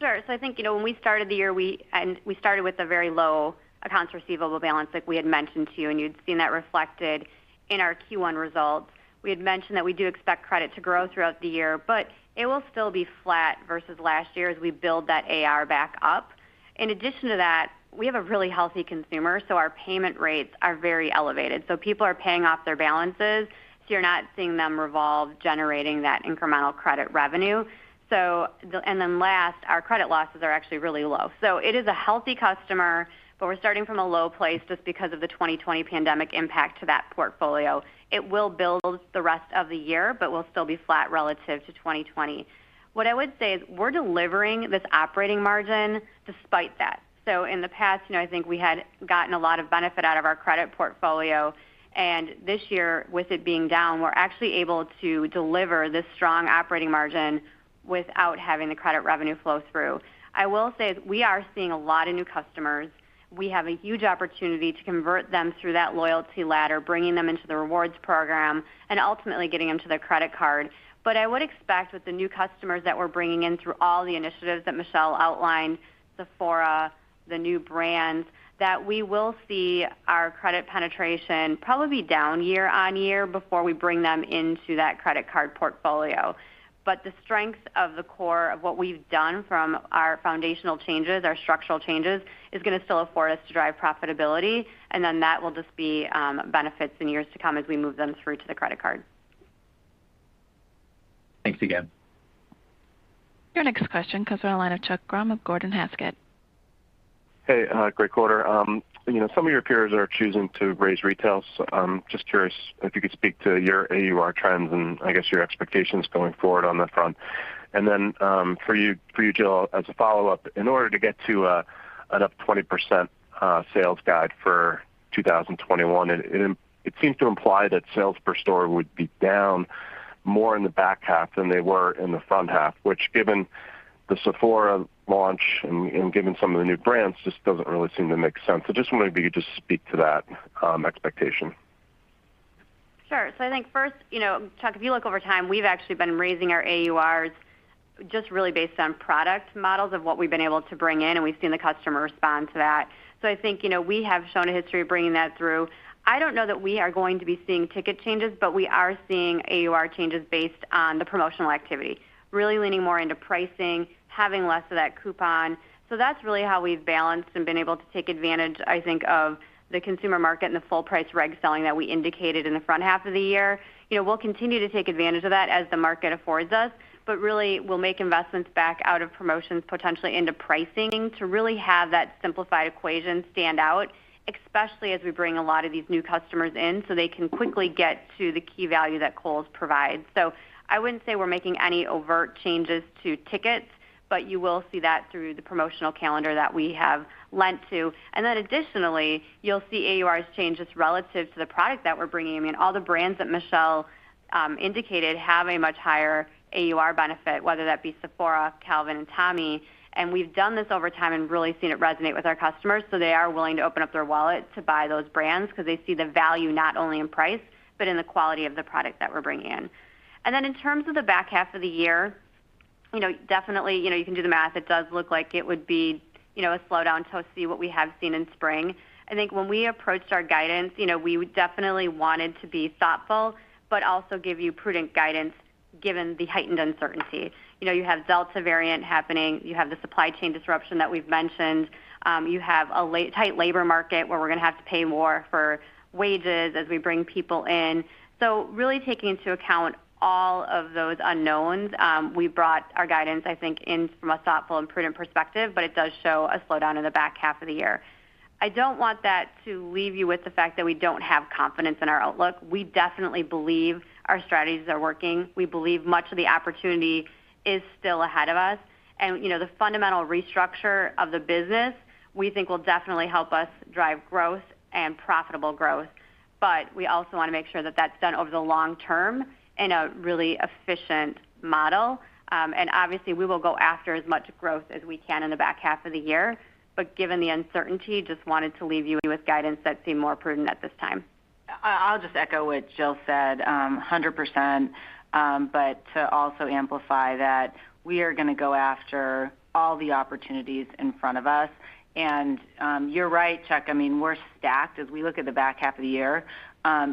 [SPEAKER 4] Sure. I think, when we started the year, and we started with a very low accounts receivable balance, like we had mentioned to you, and you'd seen that reflected in our Q1 results. We had mentioned that we do expect credit to grow throughout the year, but it will still be flat versus last year as we build that AR back up. In addition to that, we have a really healthy consumer, so our payment rates are very elevated. People are paying off their balances, you're not seeing them revolve generating that incremental credit revenue. Last, our credit losses are actually really low. It is a healthy customer, but we're starting from a low place just because of the 2020 pandemic impact to that portfolio. It will build the rest of the year, but will still be flat relative to 2020. What I would say is we're delivering this operating margin despite that. In the past, I think we had gotten a lot of benefit out of our credit portfolio, and this year, with it being down, we're actually able to deliver this strong operating margin without having the credit revenue flow through. I will say, we are seeing a lot of new customers. We have a huge opportunity to convert them through that loyalty ladder, bringing them into the rewards program, and ultimately getting them to their credit card. I would expect with the new customers that we're bringing in through all the initiatives that Michelle outlined, Sephora, the new brands, that we will see our credit penetration probably be down year-on-year before we bring them into that credit card portfolio. The strength of the core of what we've done from our foundational changes, our structural changes, is going to still afford us to drive profitability, and then that will just be benefits in years to come as we move them through to the credit card.
[SPEAKER 10] Thanks again.
[SPEAKER 1] Your next question comes on the line of Chuck Grom of Gordon Haskett.
[SPEAKER 11] Hey, great quarter. Some of your peers are choosing to raise retails. Just curious if you could speak to your AUR trends and I guess your expectations going forward on that front. Then, for you, Jill, as a follow-up, in order to get to an up 20% sales guide for 2021, it seemed to imply that sales per store would be down more in the back half than they were in the front half, which given the Sephora launch and given some of the new brands, just doesn't really seem to make sense. Just wondering if you could just speak to that expectation.
[SPEAKER 4] Sure. I think first, Chuck, if you look over time, we've actually been raising our AURs just really based on product models of what we've been able to bring in, and we've seen the customer respond to that. I think, we have shown a history of bringing that through. I don't know that we are going to be seeing ticket changes, but we are seeing AUR changes based on the promotional activity, really leaning more into pricing, having less of that coupon. That's really how we've balanced and been able to take advantage, I think, of the consumer market and the full price reg selling that we indicated in the front half of the year. We'll continue to take advantage of that as the market affords us. Really, we'll make investments back out of promotions, potentially into pricing to really have that simplified equation stand out, especially as we bring a lot of these new customers in so they can quickly get to the key value that Kohl's provides. I wouldn't say we're making any overt changes to tickets, but you will see that through the promotional calendar that we have lent to. Additionally, you'll see AURs changes relative to the product that we're bringing in. All the brands that Michelle indicated have a much higher AUR benefit, whether that be Sephora, Calvin, Tommy, and we've done this over time and really seen it resonate with our customers. They are willing to open up their wallet to buy those brands because they see the value not only in price, but in the quality of the product that we're bringing in. In terms of the back half of the year, definitely, you can do the math. It does look like it would be a slowdown to what we have seen in spring. I think when we approached our guidance, we definitely wanted to be thoughtful, but also give you prudent guidance given the heightened uncertainty. You have Delta variant happening. You have the supply chain disruption that we've mentioned. You have a tight labor market where we're going to have to pay more for wages as we bring people in. Really taking into account all of those unknowns, we brought our guidance, I think, in from a thoughtful and prudent perspective, but it does show a slowdown in the back half of the year. I don't want that to leave you with the fact that we don't have confidence in our outlook. We definitely believe our strategies are working. We believe much of the opportunity is still ahead of us. The fundamental restructure of the business, we think will definitely help us drive growth and profitable growth. We also want to make sure that that's done over the long term in a really efficient model. Obviously, we will go after as much growth as we can in the back half of the year. Given the uncertainty, just wanted to leave you with guidance that seemed more prudent at this time.
[SPEAKER 3] I'll just echo what Jill said, 100%, but to also amplify that we are going to go after all the opportunities in front of us. You're right, Chuck, we're stacked as we look at the back half of the year.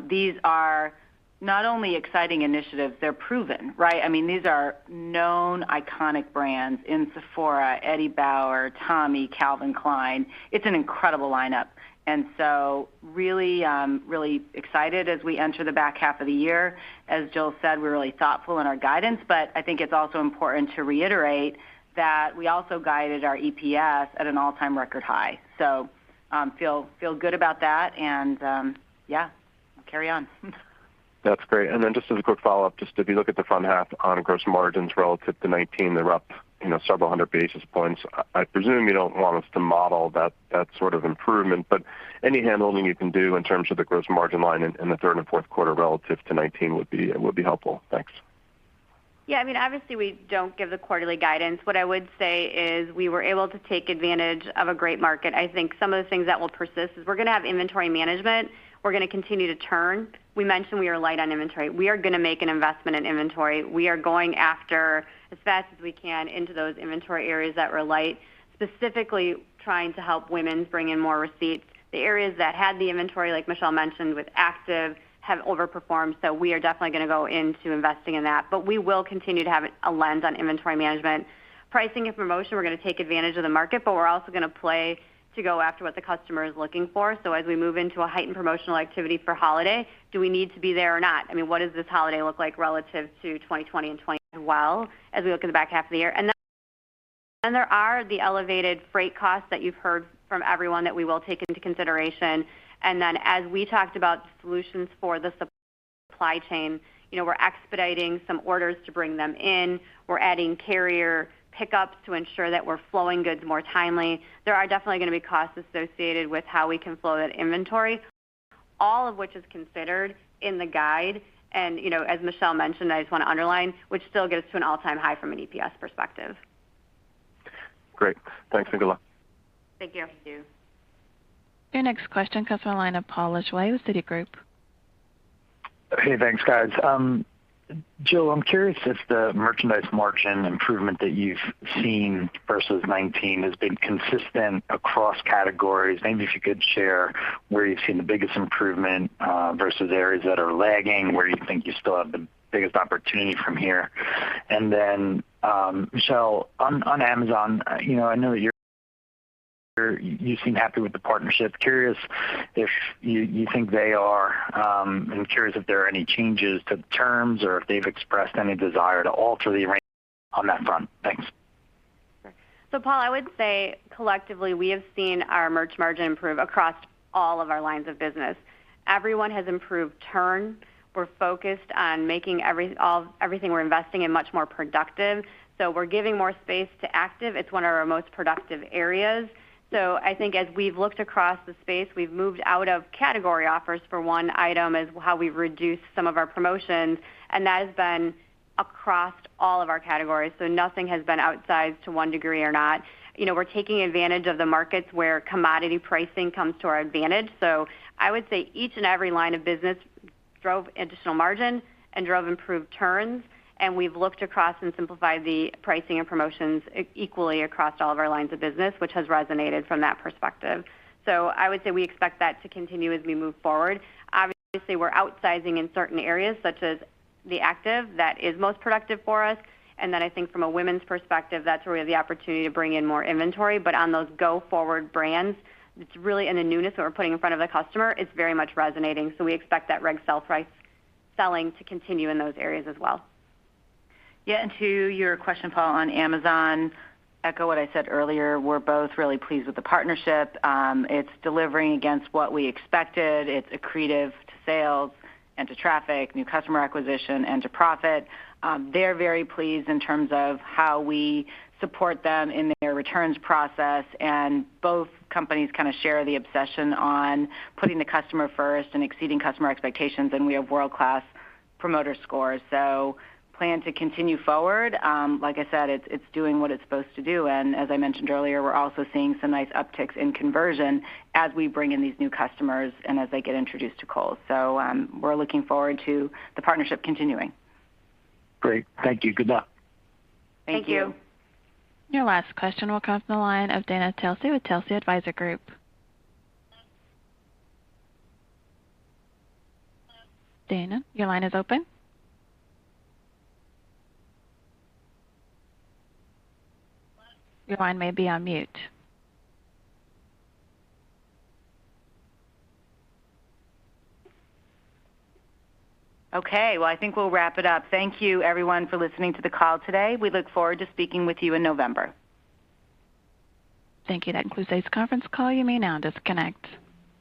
[SPEAKER 3] These are not only exciting initiatives, they're proven, right? These are known, iconic brands in Sephora, Eddie Bauer, Tommy, Calvin Klein. It's an incredible lineup. Really excited as we enter the back half of the year. As Jill said, we're really thoughtful in our guidance, but I think it's also important to reiterate that we also guided our EPS at an all-time record high. Feel good about that and, yeah, carry on.
[SPEAKER 11] That's great. Just as a quick follow-up, just if you look at the front half on gross margins relative to 2019, they're up several hundred basis points. I presume you don't want us to model that sort of improvement, but any handholding you can do in terms of the gross margin line in the third and fourth quarter relative to 2019 would be helpful. Thanks.
[SPEAKER 4] Yeah. Obviously, we don't give the quarterly guidance. What I would say is we were able to take advantage of a great market. I think some of the things that will persist is we're going to have inventory management. We're going to continue to turn. We mentioned we are light on inventory. We are going to make an investment in inventory. We are going after, as fast as we can, into those inventory areas that were light, specifically trying to help women bring in more receipts. The areas that had the inventory, like Michelle mentioned, with active, have overperformed. We are definitely going to go into investing in that. We will continue to have a lens on inventory management. Pricing and promotion, we're going to take advantage of the market, but we're also going to play to go after what the customer is looking for. As we move into a heightened promotional activity for holiday, do we need to be there or not? What does this holiday look like relative to 2020 and 2021 as we look in the back half of the year? There are the elevated freight costs that you've heard from everyone that we will take into consideration. As we talked about solutions for the supply chain, we're expediting some orders to bring them in. We're adding carrier pickups to ensure that we're flowing goods more timely. There are definitely going to be costs associated with how we can flow that inventory, all of which is considered in the guide. As Michelle mentioned, I just want to underline, which still gets to an all-time high from an EPS perspective.
[SPEAKER 11] Great. Thanks, and good luck.
[SPEAKER 3] Thank you.
[SPEAKER 4] Thank you.
[SPEAKER 1] Your next question, comes from the line of Paul Lejuez with Citigroup.
[SPEAKER 12] Hey, thanks, guys. Jill, I'm curious if the merchandise margin improvement that you've seen versus 2019 has been consistent across categories. Maybe if you could share where you've seen the biggest improvement, versus areas that are lagging, where you think you still have the biggest opportunity from here. Then, Michelle, on Amazon, I know that you seem happy with the partnership. I'm curious if there are any changes to terms or if they've expressed any desire to alter the arrangement on that front. Thanks.
[SPEAKER 4] Sure. Paul, I would say collectively, we have seen our merch margin improve across all of our lines of business. Everyone has improved turn. We're focused on making everything we're investing in much more productive. We're giving more space to active. It's one of our most productive areas. I think as we've looked across the space, we've moved out of category offers for one item as how we've reduced some of our promotions, and that has been across all of our categories. Nothing has been outsized to one degree or not. We're taking advantage of the markets where commodity pricing comes to our advantage. I would say each and every line of business drove additional margin and drove improved turns, and we've looked across and simplified the pricing and promotions equally across all of our lines of business, which has resonated from that perspective. I would say we expect that to continue as we move forward. Obviously, we're outsizing in certain areas, such as the active that is most productive for us. I think from a women's perspective, that's where we have the opportunity to bring in more inventory. On those go-forward brands, it's really in the newness that we're putting in front of the customer. It's very much resonating. We expect that reg sale price selling to continue in those areas as well.
[SPEAKER 3] Yeah. To your question, Paul, on Amazon, echo what I said earlier, we're both really pleased with the partnership. It's delivering against what we expected. It's accretive to sales and to traffic, new customer acquisition, and to profit. They're very pleased in terms of how we support them in their returns process, and both companies share the obsession on putting the customer first and exceeding customer expectations. We have world-class promoter scores. Plan to continue forward. Like I said, it's doing what it's supposed to do. As I mentioned earlier, we're also seeing some nice upticks in conversion as we bring in these new customers and as they get introduced to Kohl's. We're looking forward to the partnership continuing.
[SPEAKER 12] Great. Thank you. Good luck.
[SPEAKER 3] Thank you.
[SPEAKER 4] Thank you.
[SPEAKER 1] Your last question will come from the line of Dana Telsey with Telsey Advisory Group. Dana, your line is open. Your line may be on mute.
[SPEAKER 3] Okay. Well, I think we'll wrap it up. Thank you everyone for listening to the call today. We look forward to speaking with you in November.
[SPEAKER 1] Thank you. That concludes today's conference call. You may now disconnect.